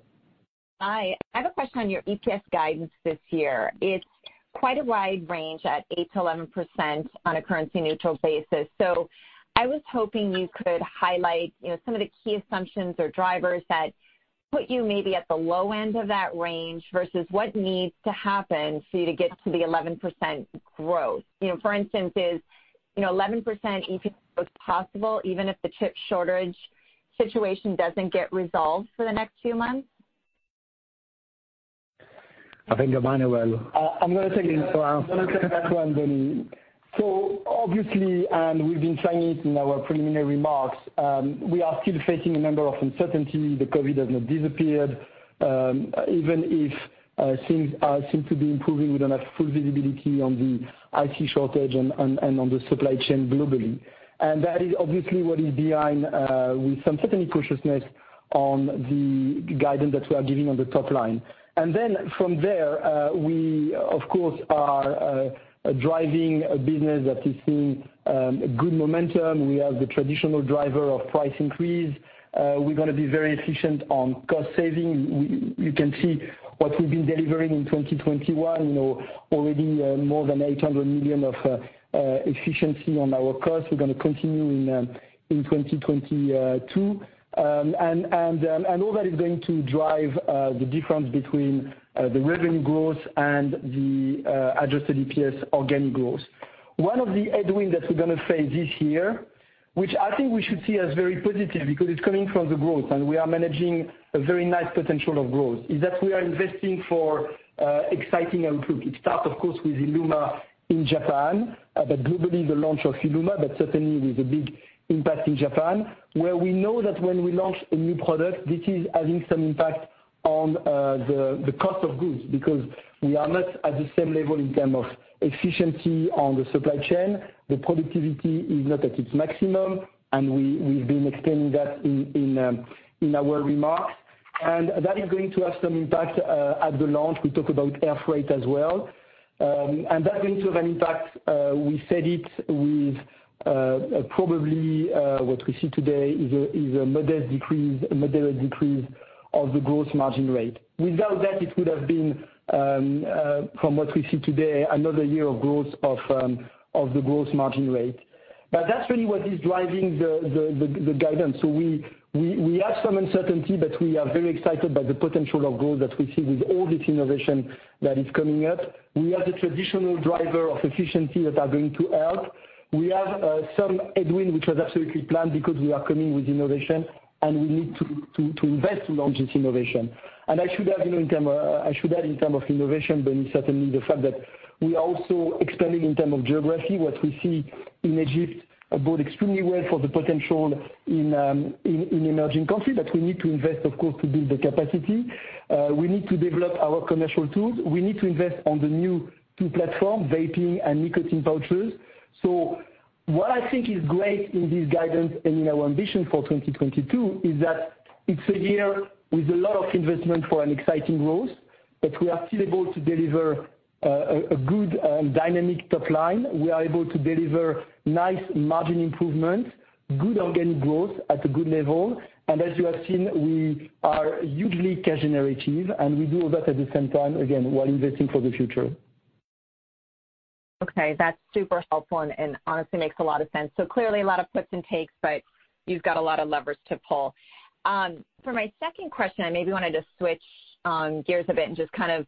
Hi. I have a question on your EPS guidance this year. It's quite a wide range at 8%-11% on a currency-neutral basis. I was hoping you could highlight, you know, some of the key assumptions or drivers that put you maybe at the low end of that range versus what needs to happen for you to get to the 11% growth. You know, for instance, is, you know, 11% EPS growth possible, even if the chip shortage situation doesn't get resolved for the next few months? I think Emmanuel. I'm gonna take it. I'm gonna take that one, Bonnie. Obviously, we've been saying it in our preliminary remarks. We are still facing a number of uncertainties. COVID has not disappeared. Even if things seem to be improving, we don't have full visibility on the IT shortage and on the supply chain globally. That is obviously what is behind the cautiousness on the guidance that we are giving on the top line. Then from there, we, of course, are driving a business that is seeing good momentum. We have the traditional driver of price increase. We're gonna be very efficient on cost saving. You can see what we've been delivering in 2021, you know, already more than $800 million of efficiency on our cost. We're gonna continue in 2022. All that is going to drive the difference between the revenue growth and the adjusted EPS organic growth. One of the headwind that we're gonna face this year, which I think we should see as very positive because it's coming from the growth, and we are managing a very nice potential of growth, is that we are investing for exciting outlook. It starts, of course, with ILUMA in Japan, but globally, the launch of ILUMA, but certainly with a big impact in Japan, where we know that when we launch a new product, this is having some impact on the cost of goods because we are not at the same level in terms of efficiency on the supply chain. The productivity is not at its maximum, and we've been explaining that in our remarks. That is going to have some impact at the launch. We talk about air freight as well. That's going to have an impact. We said it would probably what we see today is a modest decrease, a moderate decrease of the growth margin rate. Without that, it would have been from what we see today, another year of growth of the growth margin rate. That's really what is driving the guidance. We have some uncertainty, but we are very excited by the potential of growth that we see with all this innovation that is coming up. We have the traditional driver of efficiency that are going to help. We have some headwind, which was absolutely planned because we are coming with innovation, and we need to invest to launch this innovation. I should add, you know, in terms of innovation, Bonnie, certainly the fact that we are also expanding in terms of geography. What we see in Egypt bodes extremely well for the potential in emerging countries, but we need to invest, of course, to build the capacity. We need to develop our commercial tools. We need to invest in the new two platforms, vaping and nicotine pouches. What I think is great in this guidance and in our ambition for 2022 is that it's a year with a lot of investment for an exciting growth. We are still able to deliver a good dynamic top line. We are able to deliver nice margin improvements, good organic growth at a good level. As you have seen, we are hugely cash generative, and we do that at the same time, again, while investing for the future. Okay, that's super helpful and honestly makes a lot of sense. So clearly a lot of puts and takes, but you've got a lot of levers to pull. For my second question, I maybe wanted to switch gears a bit and just kind of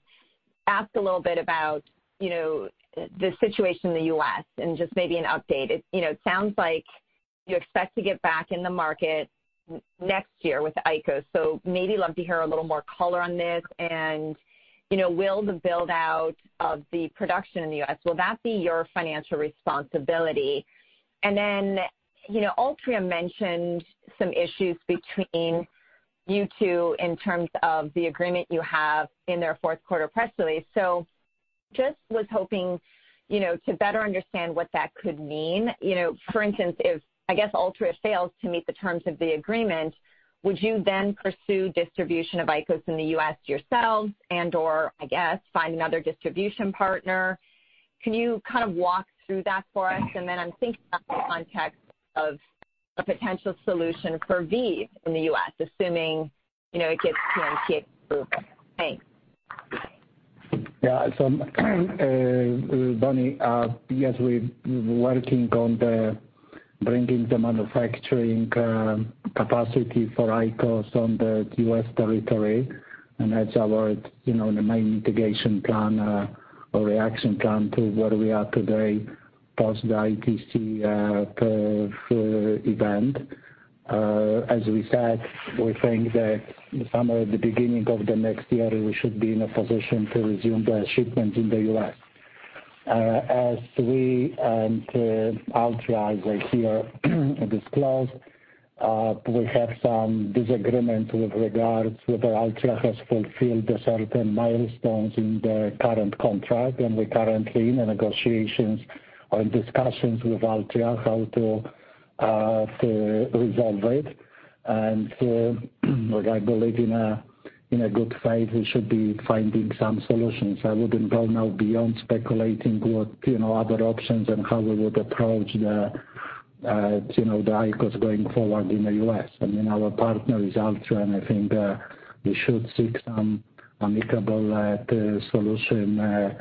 ask a little bit about, you know, the situation in the U.S., and just maybe an update. You know, it sounds like you expect to get back in the market next year with IQOS, so maybe love to hear a little more color on this and, you know, will the build-out of the production in the U.S., will that be your financial responsibility? And then, you know, Altria mentioned some issues between you two in terms of the agreement you have in their fourth quarter press release. So just was hoping, you know, to better understand what that could mean. You know, for instance, if, I guess, Altria fails to meet the terms of the agreement, would you then pursue distribution of IQOS in the U.S., yourselves and/or I guess, find another distribution partner? Can you kind of walk through that for us? I'm thinking about the context of a potential solution for VEEV in the U.S., assuming, you know, it gets PMTA approval. Thanks. Yeah. Bonnie, yes, we're working on bringing the manufacturing capacity for IQOS on the U.S. territory, and that's our, you know, the main mitigation plan or reaction plan to where we are today post the ITC event. As we said, we think that the summer or the beginning of the next year, we should be in a position to resume the shipment in the U.S. As we and Altria as well here disclose, we have some disagreement with regards whether Altria has fulfilled the certain milestones in the current contract, and we're currently in negotiations or in discussions with Altria how to resolve it. I believe in good faith, we should be finding some solutions. I wouldn't go now beyond speculating what, you know, other options and how we would approach the, you know, the IQOS going forward in the U.S. I mean, our partner is Altria, and I think we should seek some amicable solution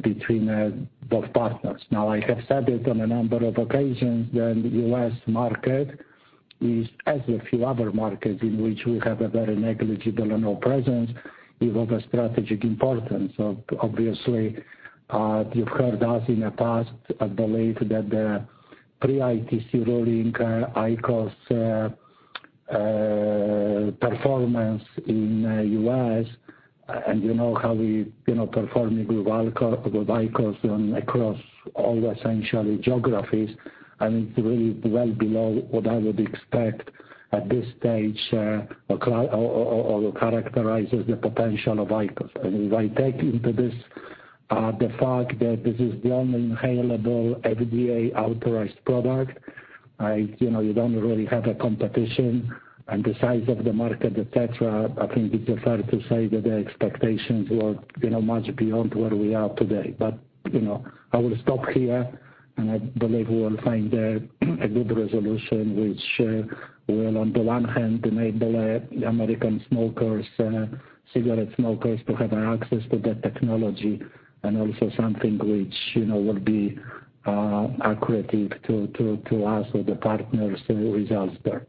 between both partners. Now, I have said it on a number of occasions that U.S. market is, as are a few other markets in which we have a very negligible at all presence, is of a strategic importance. Obviously, you've heard us in the past believe that the pre-ITC ruling IQOS performance in U.S., and you know how we, you know, performing with Altria with IQOS across all essential geographies, and it's really well below what I would expect at this stage, or characterizes the potential of IQOS. If I take into this, the fact that this is the only inhalable FDA authorized product, you know, you don't really have a competition and the size of the market, et cetera, I think it's fair to say that the expectations were, you know, much beyond where we are today. You know, I will stop here, and I believe we will find a good resolution which will, on the one hand, enable American smokers, cigarette smokers to have access to the technology and also something which, you know, will be accretive to us or the partners with results there.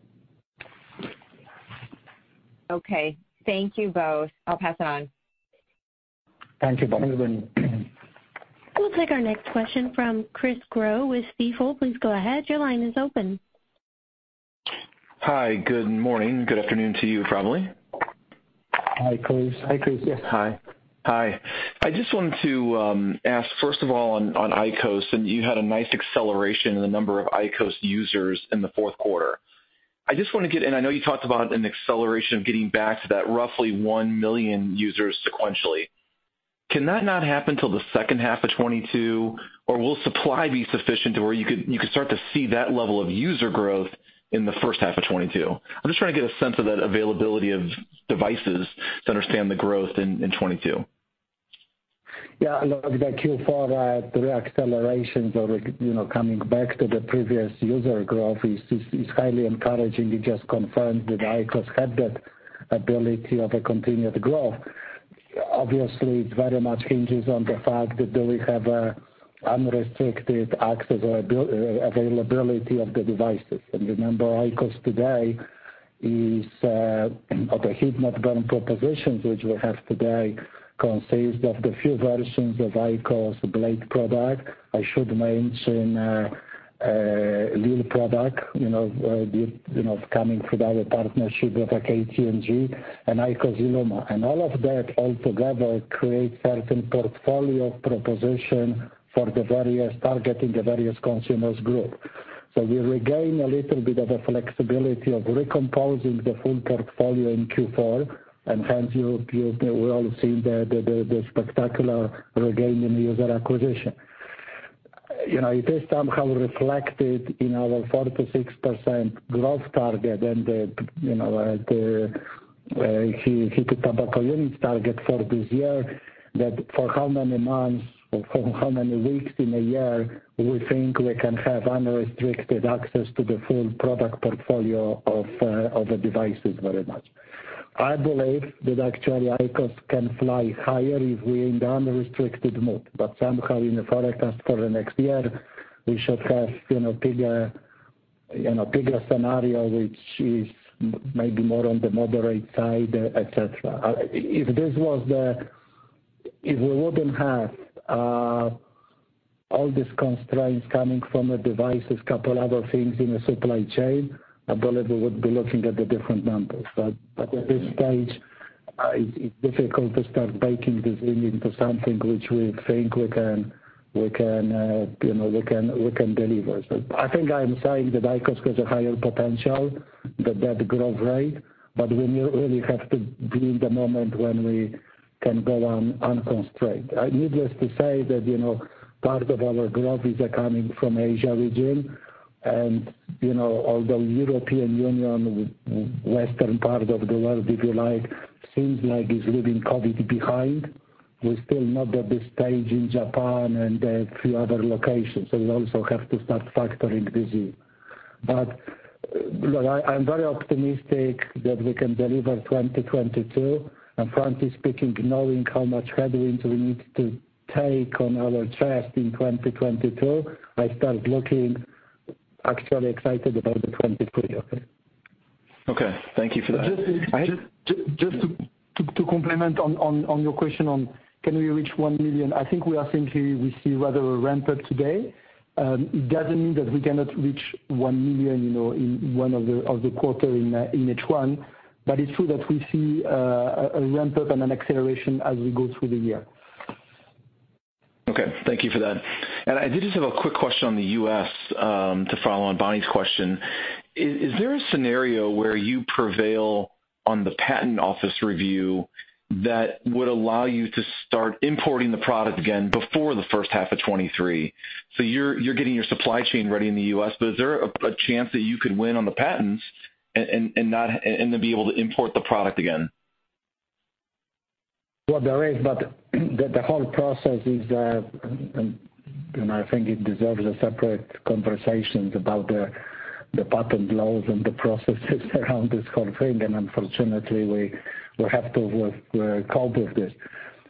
Okay, thank you both. I'll pass it on. Thank you, Bonnie. We'll take our next question from Chris Growe with Stifel. Please go ahead. Your line is open. Hi, good morning. Good afternoon to you, probably. Hi, Chris. Yes. Hi. I just wanted to ask, first of all, on IQOS. You had a nice acceleration in the number of IQOS users in the fourth quarter. I just wanna get. I know you talked about an acceleration of getting back to that roughly 1 million users sequentially. Can that not happen till the second half of 2022, or will supply be sufficient to where you could start to see that level of user growth in the first half of 2022? I'm just trying to get a sense of that availability of devices to understand the growth in 2022. Yeah. Look, the Q4 re-acceleration or, you know, coming back to the previous user growth is highly encouraging. It just confirms that IQOS had that ability of a continued growth. Obviously, it very much hinges on the fact that do we have unrestricted access or availability of the devices. Remember, IQOS today is of a heat-not-burn propositions which we have today consists of the few versions of IQOS blade product. I should mention lil product, you know, coming through our partnership with KT&G and IQOS ILUMA. All of that all together creates certain portfolio proposition for the various targeting the various consumers group. We regain a little bit of a flexibility of recomposing the full portfolio in Q4, you know, we all have seen the spectacular regain in user acquisition. You know, it is somehow reflected in our 4%-6% growth target and you know, the heated tobacco units target for this year that for how many months or for how many weeks in a year we think we can have unrestricted access to the full product portfolio of the devices very much. I believe that actually IQOS can fly higher if we're in the unrestricted mode. Somehow in the forecast for the next year, we should have you know, bigger scenario, which is maybe more on the moderate side, et cetera. If this was the If we wouldn't have all these constraints coming from the devices, couple other things in the supply chain, I believe we would be looking at the different numbers. At this stage, it's difficult to start baking this into something which we think we can deliver. I think I am saying that IQOS has a higher potential than that growth rate, but we really have to be in the moment when we can go on unconstrained. Needless to say that, you know, part of our growth is coming from Asia region, and, you know, although European Union, western part of the world, if you like, seems like it's leaving COVID behind, we're still not at this stage in Japan and a few other locations, so we also have to start factoring this in. Look, I'm very optimistic that we can deliver 2022. Frankly speaking, knowing how much headwinds we need to take on our chest in 2022, I start looking actually excited about the 2023. Okay? Okay. Thank you for that. Just. Just to comment on your question on can we reach 1 million, I think we see rather a ramp-up today. It doesn't mean that we cannot reach 1 million, you know, in one of the quarters in H1, but it's true that we see a ramp-up and an acceleration as we go through the year. Okay, thank you for that. I did just have a quick question on the U.S., to follow on Bonnie's question. Is there a scenario where you prevail on the patent office review that would allow you to start importing the product again before the first half of 2023? So you're getting your supply chain ready in the U.S., but is there a chance that you could win on the patents and then be able to import the product again? Well, there is the whole process, you know. I think it deserves a separate conversation about the patent laws and the processes around this whole thing. Unfortunately, we have to cope with this.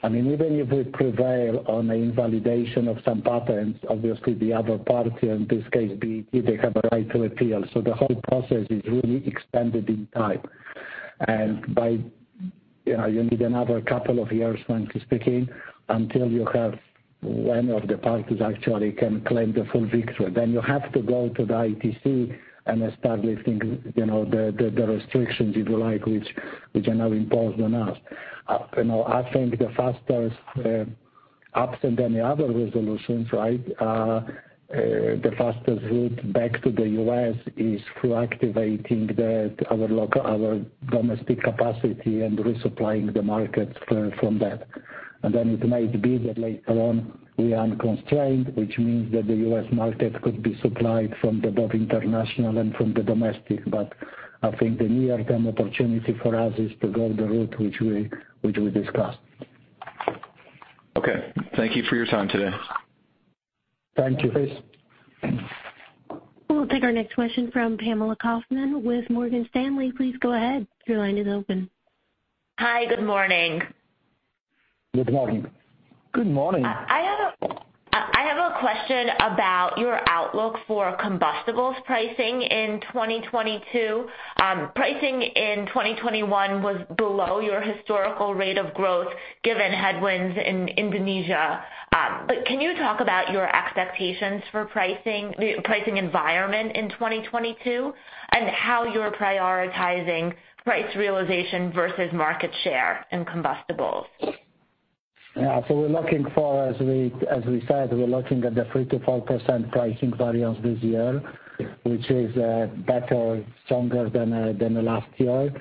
I mean, even if we prevail on the invalidation of some patents, obviously the other party, in this case, BAT, they have a right to appeal. The whole process is really extended in time. You know, you need another couple of years, frankly speaking, until you have one of the parties actually can claim the full victory. Then you have to go to the ITC and establish, you know, the restrictions, if you like, which are now imposed on us. You know, I think the fastest, absent any other resolutions, right, the fastest route back to the U.S., is through activating our domestic capacity and resupplying the market from there. Then it might be that later on we are unconstrained, which means that the U.S. market could be supplied from both the international and the domestic. I think the near-term opportunity for us is to go the route which we discussed. Okay. Thank you for your time today. Thank you. Please. We'll take our next question from Pamela Kaufman with Morgan Stanley. Please go ahead. Your line is open. Hi, good morning. Good morning. Good morning. I have a question about your outlook for combustibles pricing in 2022. Pricing in 2021 was below your historical rate of growth given headwinds in Indonesia. Can you talk about your expectations for pricing, the pricing environment in 2022, and how you're prioritizing price realization versus market share in combustibles? Yeah. We're looking for, as we said, we're looking at the 3%-5% pricing variance this year, which is better, stronger than the last year.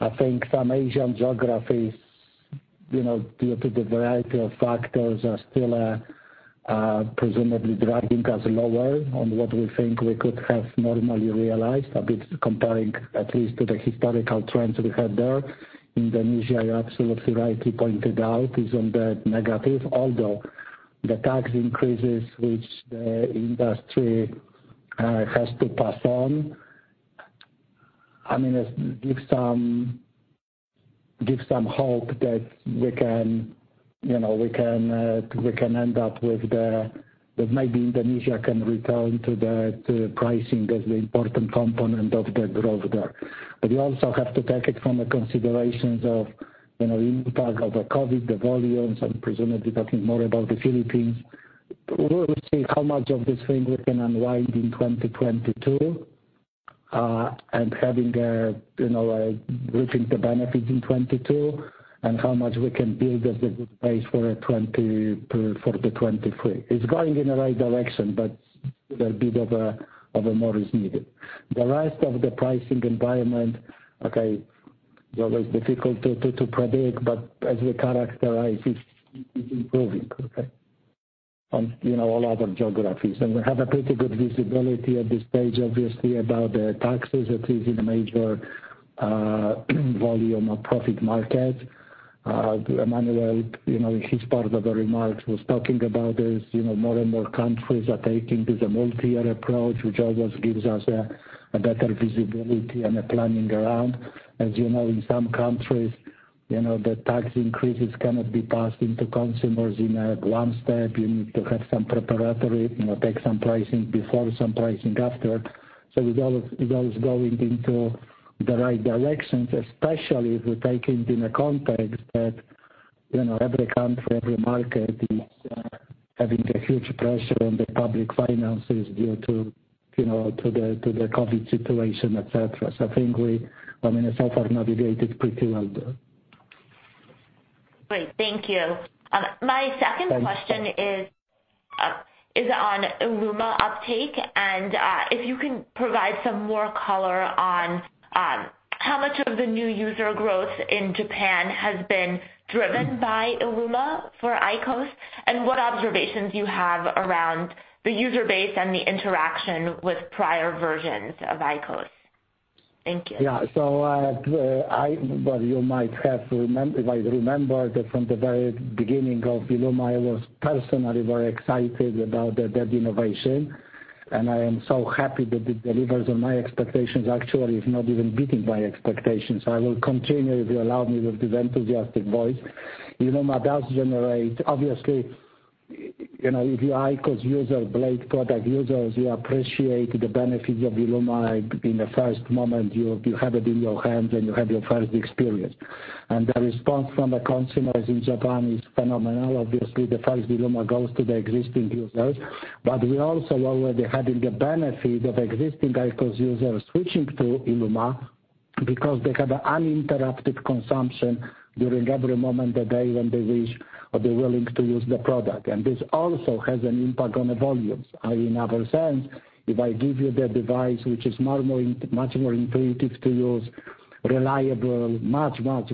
I think some Asian geographies, you know, due to the variety of factors, are still presumably dragging us lower on what we think we could have normally realized, a bit comparing at least to the historical trends we had there. Indonesia, you're absolutely right to point it out, is on the negative. Although the tax increases which the industry has to pass on, I mean, it gives some hope that we can, you know, we can end up with that. Maybe Indonesia can return to pricing as the important component of the growth there. We also have to take it from the considerations of, you know, impact of the COVID, the volumes. I'm presumably talking more about the Philippines. We'll see how much of this thing we can unwind in 2022, and having a, you know, reaping the benefits in 2022, and how much we can build as a good base for 2023. It's going in the right direction, but a bit of a more is needed. The rest of the pricing environment, okay, it's always difficult to predict, but as we characterize, it's improving. Okay? On, you know, all other geographies. We have a pretty good visibility at this stage, obviously, about the taxes, at least in the major volume or profit market. Emmanuel, you know, in his part of the remarks was talking about this, you know, more and more countries are taking this multi-year approach, which always gives us a better visibility and a planning around. As you know, in some countries, you know, the tax increases cannot be passed into consumers in a one step. You need to have some preparatory, you know, take some pricing before, some pricing after. So it's always going into the right directions, especially if we take it in a context that, you know, every country, every market is having a huge pressure on the public finances due to, you know, to the COVID situation, et cetera. I think we, I mean, so far navigated pretty well there. Great. Thank you. My second question. Thank you. Is on ILUMA uptake and if you can provide some more color on how much of the new user growth in Japan has been driven by ILUMA for IQOS, and what observations you have around the user base and the interaction with prior versions of IQOS? Thank you. Well, if I remember that from the very beginning of ILUMA, I was personally very excited about that innovation, and I am so happy that it delivers on my expectations. Actually, it's not even beating my expectations. I will continue, if you allow me, with this enthusiastic voice. ILUMA does generate, obviously, you know, if you're IQOS user, blade product users, you appreciate the benefits of ILUMA in the first moment you have it in your hands and you have your first experience. The response from the consumers in Japan is phenomenal. Obviously, the first ILUMA goes to the existing users, but we also already having the benefit of existing IQOS users switching to ILUMA because they have an uninterrupted consumption during every moment of the day when they wish or they're willing to use the product. This also has an impact on the volumes, i.e., in another sense, if I give you the device which is much more intuitive to use, reliable, much more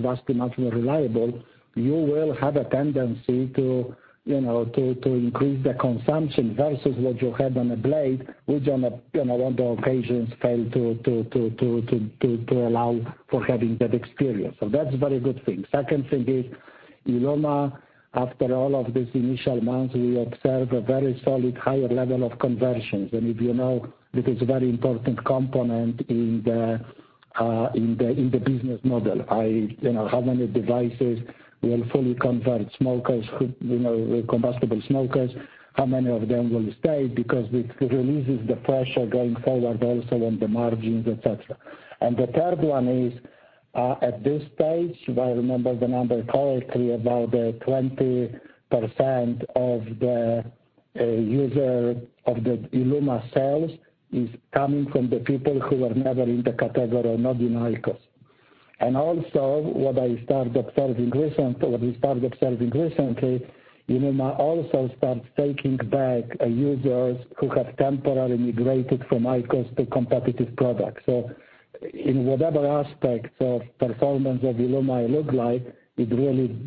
reliable, you will have a tendency to, you know, to increase the consumption versus what you had on a blade, which, you know, on the occasions failed to allow for having that experience. That's very good thing. Second thing is ILUMA, after all of this initial months, we observe a very solid higher level of conversions. If you know, it is a very important component in the business model, i.e., you know, how many devices will fully convert smokers who, you know, were combustible smokers, how many of them will stay because it releases the pressure going forward also on the margins, et cetera. The third one is, at this stage, if I remember the number correctly, about 20% of the user of the ILUMA sales is coming from the people who were never in the category, not in IQOS. Also, what we start observing recently, ILUMA also starts taking back users who have temporarily migrated from IQOS to competitive products. In whatever aspects of performance of ILUMA look like, it really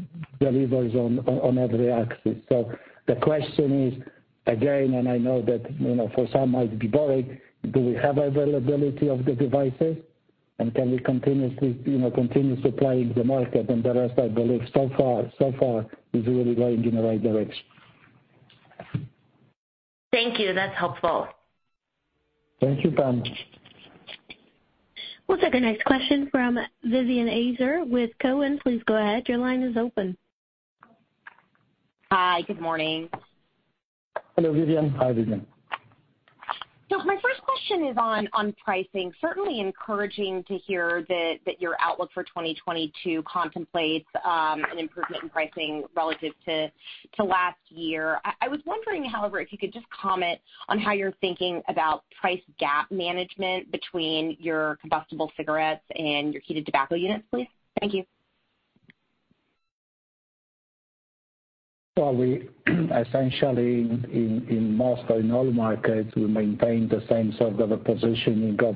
delivers on every axis. The question is, again, and I know that, you know, for some might be boring, do we have availability of the devices, and can we continuously, you know, continue supplying the market? The rest, I believe so far is really going in the right direction. Thank you. That's helpful. Thank you, Pam. We'll take our next question from Vivien Azer with Cowen. Please go ahead. Your line is open. Hi. Good morning. Hello, Vivien. Hi, Vivien. My first question is on pricing, certainly encouraging to hear that your outlook for 2022 contemplates an improvement in pricing relative to last year. I was wondering, however, if you could just comment on how you're thinking about price gap management between your combustible cigarettes and your heated tobacco units, please. Thank you. We essentially in most or in all markets maintain the same sort of a positioning of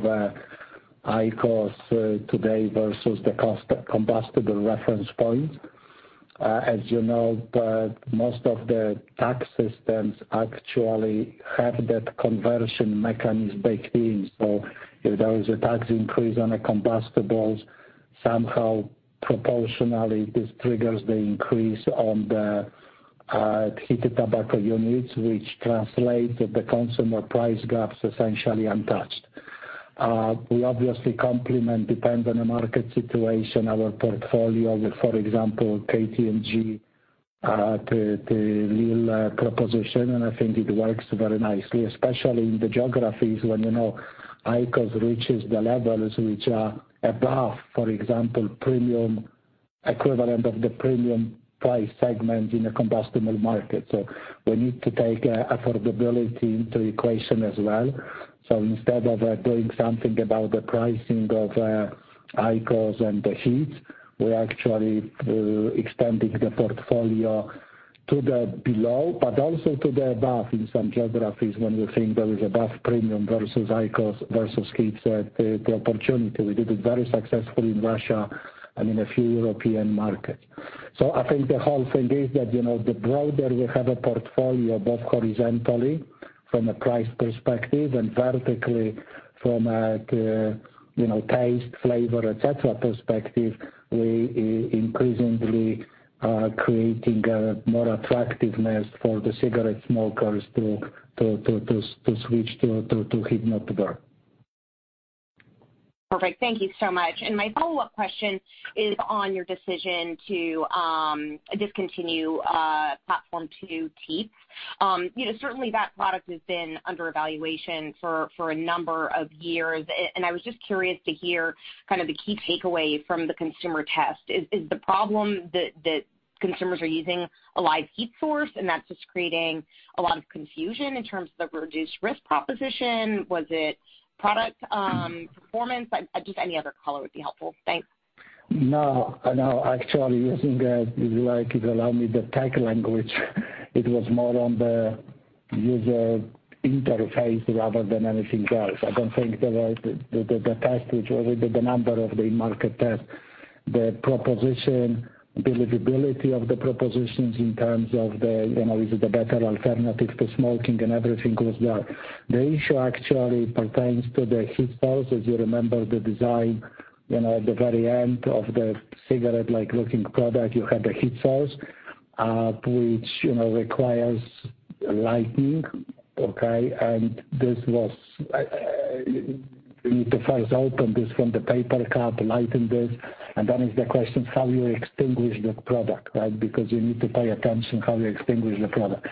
IQOS today versus the cost of combustible reference point. As you know, most of the tax systems actually have that conversion mechanism built in. If there is a tax increase on the combustibles, somehow proportionally this triggers the increase on the heated tobacco units, which translate the consumer price gaps essentially untouched. We obviously complement, depends on the market situation, our portfolio with, for example, KT&G the lil proposition, and I think it works very nicely, especially in the geographies when, you know, IQOS reaches the levels which are above, for example, premium equivalent of the premium price segment in the combustible market. We need to take affordability into equation as well. Instead of doing something about the pricing of IQOS and the HEETS, we're actually extending the portfolio to the below but also to the above in some geographies when we think there is above premium versus IQOS versus HEETS, the opportunity. We did it very successfully in Russia and in a few European markets. I think the whole thing is that, you know, the broader we have a portfolio, both horizontally from a price perspective and vertically from a, you know, taste, flavor, et cetera, perspective, we increasingly creating a more attractiveness for the cigarette smokers to switch to heat-not-burn. Perfect. Thank you so much. My follow-up question is on your decision to discontinue Platform 2 heat. Certainly that product has been under evaluation for a number of years. I was just curious to hear kind of the key takeaway from the consumer test. Is the problem that consumers are using a live heat source and that's just creating a lot of confusion in terms of the reduced risk proposition? Was it product performance? I just any other color would be helpful. Thanks. No, no. Actually, I think, if you like, if you allow me the tech language, it was more on the user interface rather than anything else. I don't think the test, which was the number of the market test, the proposition, believability of the propositions in terms of, you know, is it a better alternative to smoking and everything was well. The issue actually pertains to the heat source. As you remember, the design, you know, at the very end of the cigarette-like looking product, you had a heat source, which, you know, requires lighting, okay? And this was, you need to first open this from the paper cup, light it, and then the question is how you extinguish this product, right? Because you need to pay attention how you extinguish the product.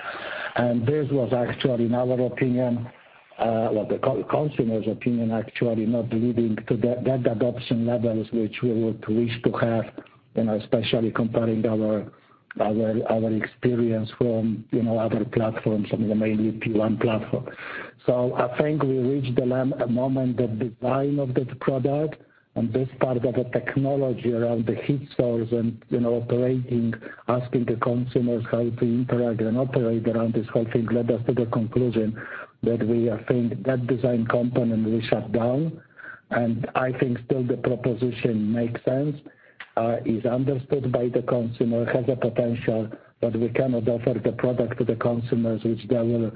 This was actually, in our opinion, the consumer's opinion actually not leading to that adoption levels which we would wish to have, you know, especially comparing our experience from, you know, other platforms and mainly P1 platform. I think we reached a moment, the design of that product and this part of the technology around the heat source and, you know, operating, asking the consumers how to interact and operate around this whole thing led us to the conclusion that we think that design component will shut down. I think still the proposition makes sense, is understood by the consumer, has potential, but we cannot offer the product to the consumers which they will,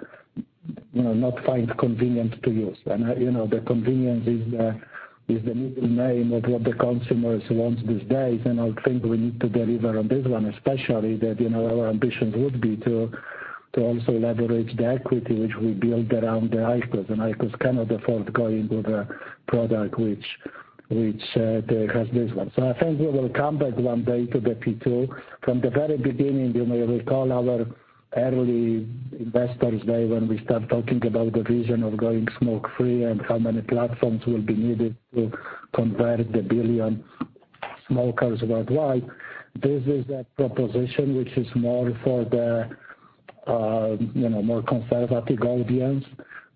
you know, not find convenient to use. You know, the convenience is the middle name of what the consumers wants these days, and I think we need to deliver on this one, especially that, you know, our ambition would be to also leverage the equity which we build around the IQOS. IQOS cannot afford going to the product which has this one. I think we will come back one day to the P2. From the very beginning, you may recall our early Investor Day when we start talking about the vision of going smoke-free and how many platforms will be needed to convert the billion smokers worldwide. This is a proposition which is more for the more conservative audience,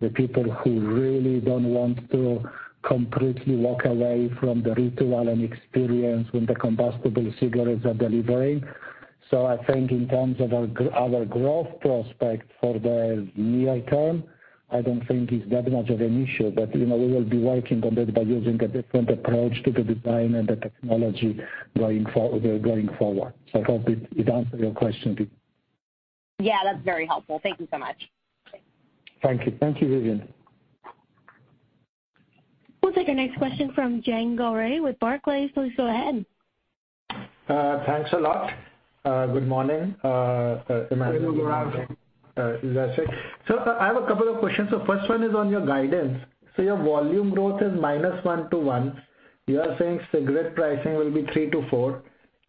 the people who really don't want to completely walk away from the ritual and experience when the combustible cigarettes are delivering. I think in terms of our growth prospect for the near term, I don't think it's that much of an issue. You know, we will be working on that by using a different approach to the design and the technology going forward. I hope it answered your question, Vivien. Yeah, that's very helpful. Thank you so much. Thank you. Thank you, Vivien. We'll take our question from Gaurav Jain with Barclays. Please go ahead. Thanks a lot. Good morning, Emmanuel and Jacek. Good morning. Is that set? I have a couple of questions. First one is on your guidance. Your volume growth is -1%-1%. You are saying cigarette pricing will be 3%-4%,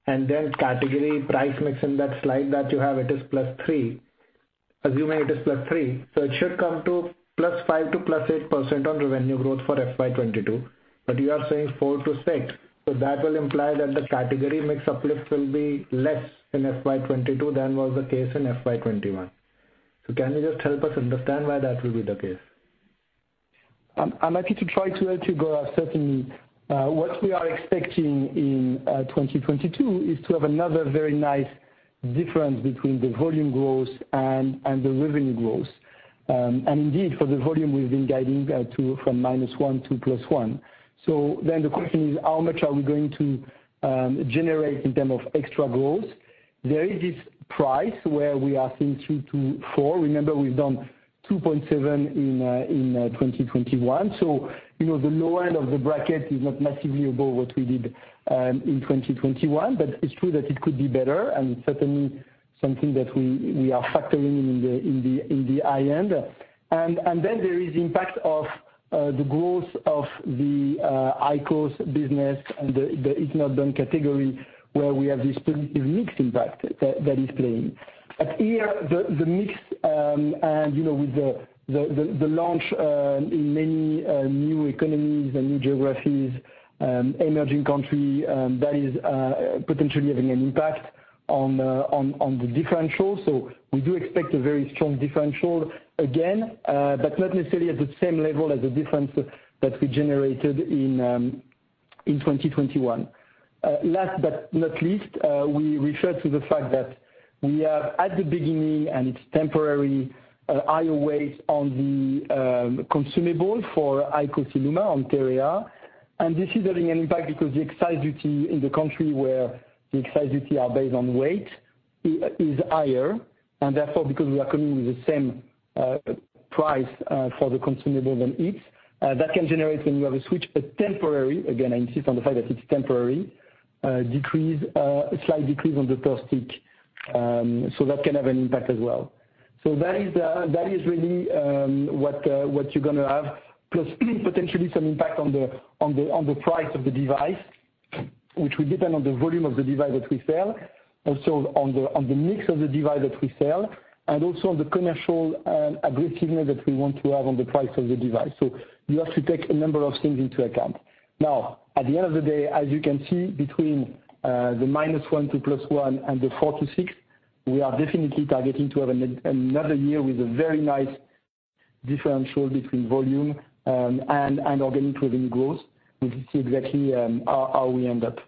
and then category price mix in that slide that you have, it is +3%. Assuming it is +3%, it should come to +5% to +8% on revenue growth for FY 2022. You are saying 4%-6%, so that will imply that the category mix uplift will be less in FY 2022 than was the case in FY 2021. Can you just help us understand why that will be the case? I'm happy to try to help you, Gaurav. Certainly, what we are expecting in 2022 is to have another very nice difference between the volume growth and the revenue growth. Indeed, for the volume, we've been guiding to from -1% to +1%. So then the question is how much are we going to generate in terms of extra growth. There is this price where we are seeing 2%-4%. Remember, we've done 2.7% in 2021. So, you know, the low end of the bracket is not massively above what we did in 2021, but it's true that it could be better and certainly something that we are factoring in the high end. There is impact of the growth of the IQOS business and the heat-not-burn category, where we have this price/mix impact that is playing out. Earlier, the mix, and you know, with the launch in many new economies and new geographies, emerging country that is potentially having an impact on the differential. We do expect a very strong differential again, but not necessarily at the same level as the difference that we generated in 2021. Last but not least, we refer to the fact that we are at the beginning, and it's temporary, higher waste on the consumable for IQOS ILUMA on TEREA. This is having an impact because the excise duty in the country where the excise duty are based on weight is higher, and therefore, because we are coming with the same price for the consumable than HEETS, that can generate, when you have a switch, a temporary, again, I insist on the fact that it's temporary, decrease, a slight decrease on the first stick, so that can have an impact as well. That is really what you're gonna have, plus potentially some impact on the price of the device, which will depend on the volume of the device that we sell, also on the mix of the device that we sell, and also on the commercial aggressiveness that we want to have on the price of the device. You have to take a number of things into account. Now, at the end of the day, as you can see, between -1% to +1% and 4%-6%, we are definitely targeting to have another year with a very nice differential between volume and organic revenue growth. We will see exactly how we end up.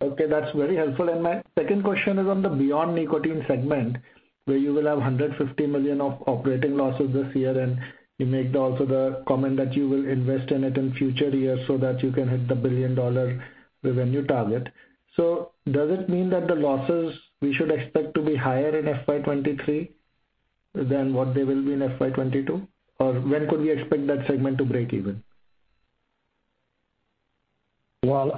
Okay, that's very helpful. My second question is on the Beyond Nicotine segment, where you will have $150 million of operating losses this year, and you make also the comment that you will invest in it in future years so that you can hit the billion-dollar revenue target. Does it mean that the losses we should expect to be higher in FY 2023 than what they will be in FY 2022? Or when could we expect that segment to break even? Well,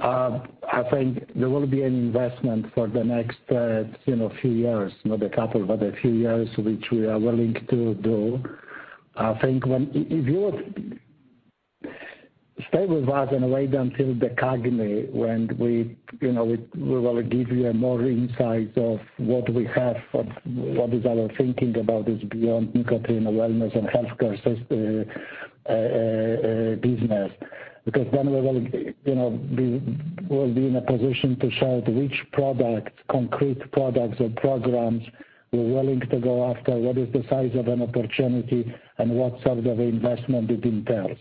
I think there will be an investment for the next, you know, few years, not a couple, but a few years, which we are willing to do. I think if you would stay with us in a way until the CAGNY, when we, you know, we will give you a more insight of what we have, of what is our thinking about this Beyond Nicotine and Wellness and Healthcare business. Because then we will, you know, we'll be in a position to show which products, concrete products or programs we're willing to go after, what is the size of an opportunity, and what sort of investment it entails.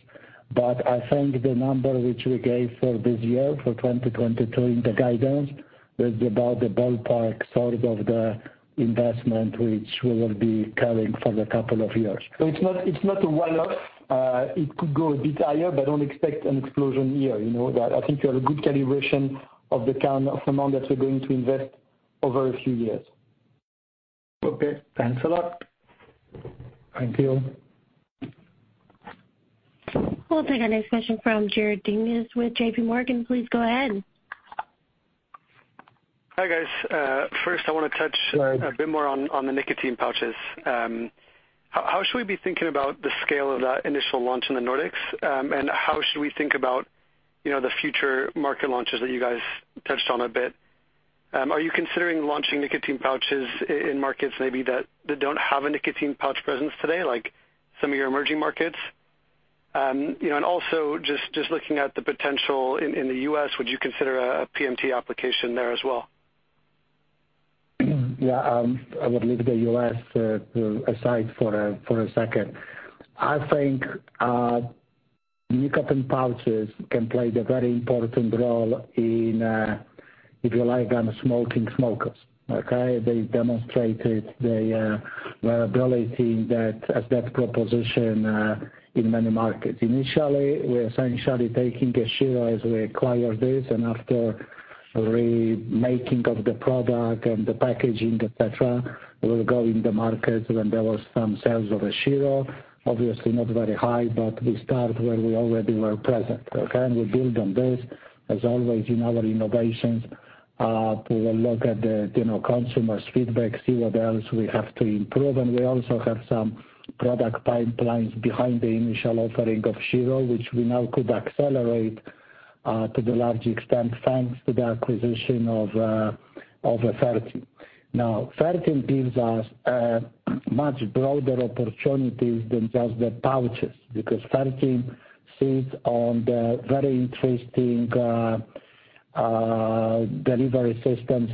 I think the number which we gave for this year, for 2022 in the guidance, was about the ballpark sort of the investment which we will be carrying for the couple of years. It's not a one-off. It could go a bit higher, but don't expect an explosion here, you know? That I think you have a good calibration of the kind of amount that we're going to invest over a few years. Okay, thanks a lot. Thank you. We'll take our next question from Jared Dinges with J.P. Morgan. Please go ahead. Hi, guys. First I wanna touch. Hi. A bit more on the nicotine pouches. How should we be thinking about the scale of that initial launch in the Nordics? How should we think about, you know, the future market launches that you guys touched on a bit? Are you considering launching nicotine pouches in markets maybe that don't have a nicotine pouch presence today, like some of your emerging markets? You know, and also just looking at the potential in the U.S., would you consider a PMTA application there as well? Yeah. I would leave the U.S. aside for a second. I think nicotine pouches can play a very important role in, if you like, smoking smokers, okay? They demonstrated the viability as that proposition in many markets. Initially, we are essentially taking a Shiro as we acquire this, and after remaking of the product and the packaging, et cetera, we'll go in the markets when there was some sales of Shiro, obviously not very high, but we start where we already were present, okay? We build on this. As always in our innovations, we will look at the, you know, consumers' feedback, see what else we have to improve. We also have some product pipelines behind the initial offering of Shiro, which we now could accelerate to a large extent, thanks to the acquisition of Fertin. Now, Fertin gives us much broader opportunities than just the pouches, because Fertin sits on very interesting delivery systems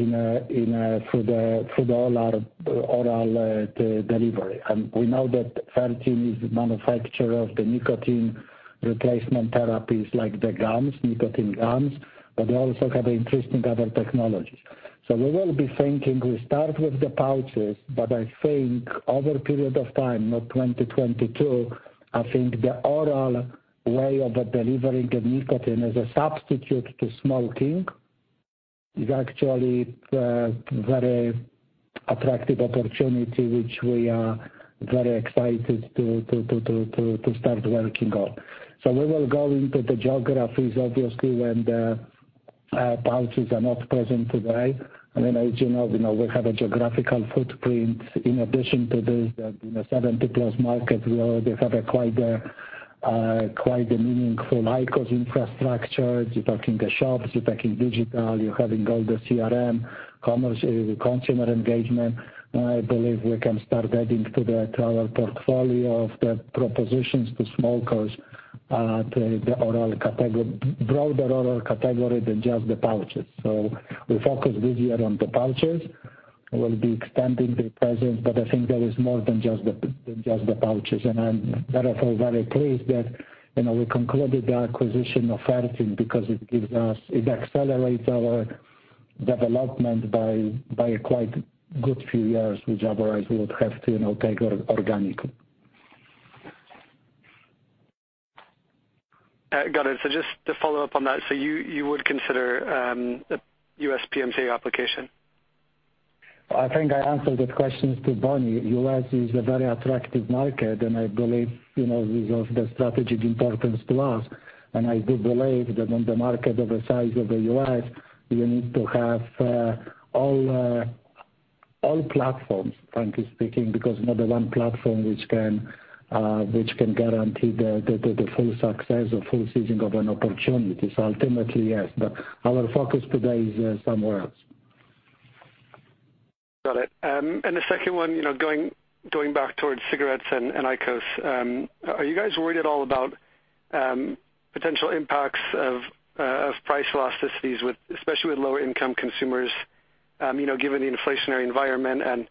for the oral delivery. We know that Fertin is the manufacturer of the nicotine replacement therapies like the nicotine gums, but they also have interesting other technologies. We will be thinking, we start with the pouches, but I think over a period of time, not 2022, I think the oral way of delivering the nicotine as a substitute to smoking is actually a very attractive opportunity which we are very excited to start working on. We will go into the geographies, obviously, where the pouches are not present today. Then as you know, you know, we have a geographical footprint in addition to this that, you know, 70+ markets, we already have a quite a meaningful IQOS infrastructure. You're talking the shops, you're talking digital, you're having all the CRM, commerce, consumer engagement. I believe we can start adding to the to our portfolio of the propositions to smokers, the the oral category, broader oral category than just the pouches. We focus this year on the pouches. We'll be extending the presence, but I think there is more than just the than just the pouches. I'm therefore very pleased that, you know, we concluded the acquisition of Fertin because it gives us It accelerates our development by a quite good few years, which otherwise we would have to, you know, take our organic. Got it. Just to follow up on that, you would consider a U.S. PMTA application? I think I answered that question to Bonnie. U.S., is a very attractive market, and I believe, you know, because of the strategic importance to us, and I do believe that on the market of the size of the U.S., you need to have all platforms, frankly speaking, because not the one platform which can guarantee the full success or full seizing of an opportunity. Ultimately, yes, but our focus today is somewhere else. Got it. The second one, you know, going back towards cigarettes and IQOS. Are you guys worried at all about potential impacts of price elasticities with especially with lower income consumers, you know, given the inflationary environment and,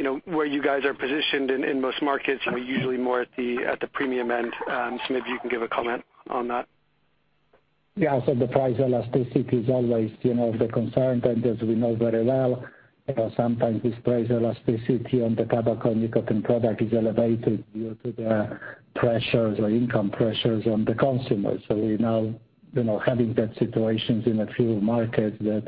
you know, where you guys are positioned in most markets, you know, usually more at the premium end, so maybe you can give a comment on that. Yeah. The price elasticity is always, you know, the concern, and as we know very well, you know, sometimes this price elasticity on the tobacco nicotine product is elevated due to the pressures or income pressures on the consumers. We now, you know, having those situations in a few markets that,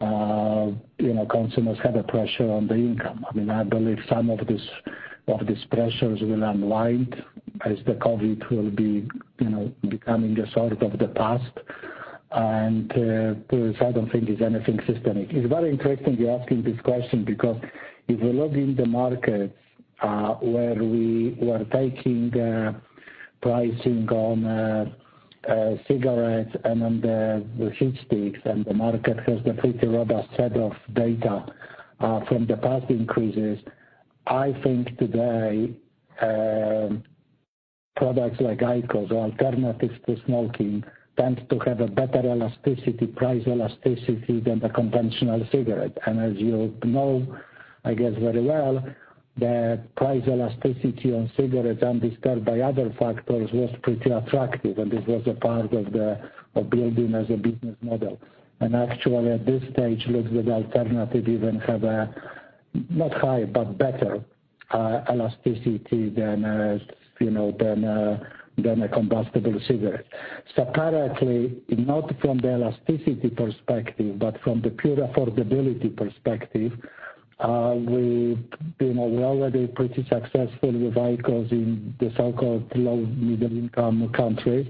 you know, consumers have a pressure on the income. I mean, I believe some of these pressures will unwind as the COVID will be, you know, becoming a sort of the past. Because I don't think it's anything systemic. It's very interesting you're asking this question because if you look in the markets where we were taking pricing on cigarettes and on the heat sticks and the market has a pretty robust set of data from the past increases. I think today products like IQOS or alternatives to smoking tends to have a better elasticity, price elasticity than the conventional cigarette. As you know, I guess very well, the price elasticity on cigarettes undisturbed by other factors was pretty attractive, and this was a part of the building as a business model. Actually, at this stage, it looks like alternatives even have a not high but better elasticity than you know than a combustible cigarette. Currently, not from the elasticity perspective, but from the pure affordability perspective, we've, you know, we're already pretty successful with IQOS in the so-called low, middle income countries.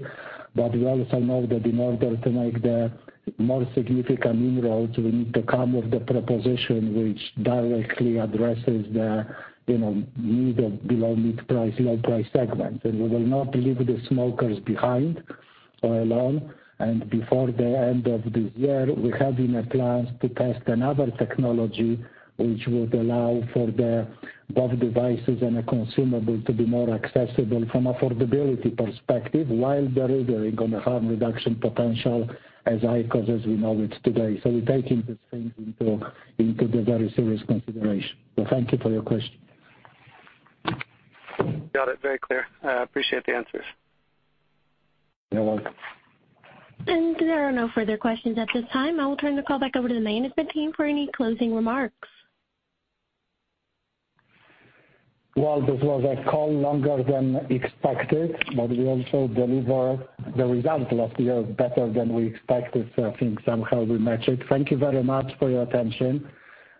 We also know that in order to make the more significant inroads, we need to come with the proposition which directly addresses the, you know, need of below mid-price, low price segments. We will not leave the smokers behind or alone. Before the end of this year, we have plans to test another technology which would allow for the both devices and a consumable to be more accessible from affordability perspective while delivering on the harm reduction potential as IQOS as we know it today. We're taking these things into the very serious consideration. Thank you for your question. Got it. Very clear. I appreciate the answers. You're welcome. There are no further questions at this time. I will turn the call back over to the management team for any closing remarks. This was a call longer than expected, but we also delivered the results last year better than we expected, so I think somehow we match it. Thank you very much for your attention.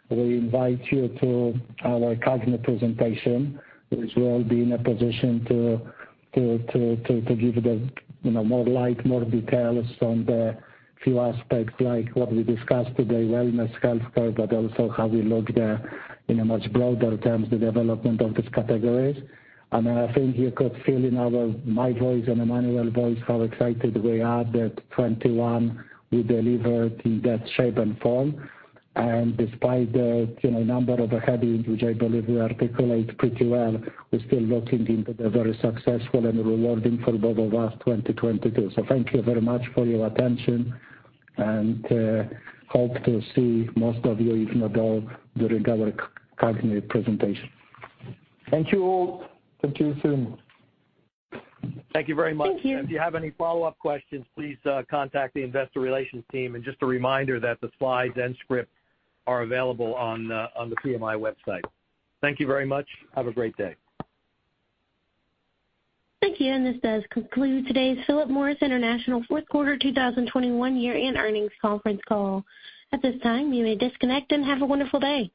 We invite you to our CAGNY presentation, which will be in a position to give the, you know, more light, more details on the few aspects like what we discussed today, wellness, healthcare, but also how we look the, in a much broader terms, the development of these categories. I think you could feel in our, my voice and Emmanuel's voice how excited we are that 2021 we delivered in that shape and form. Despite the, you know, number of headwinds which I believe we articulate pretty well, we're still looking forward to a very successful and rewarding for both of us, 2022. Thank you very much for your attention and hope to see most of you if not all during our CAGNY presentation. Thank you all. Thank you, Simon. Thank you very much. Thank you. If you have any follow-up questions, please, contact the investor relations team, and just a reminder that the slides and script are available on the PMI website. Thank you very much. Have a great day. Thank you, and this does conclude today's Philip Morris International fourth quarter 2021 year-end earnings conference call. At this time, you may disconnect and have a wonderful day.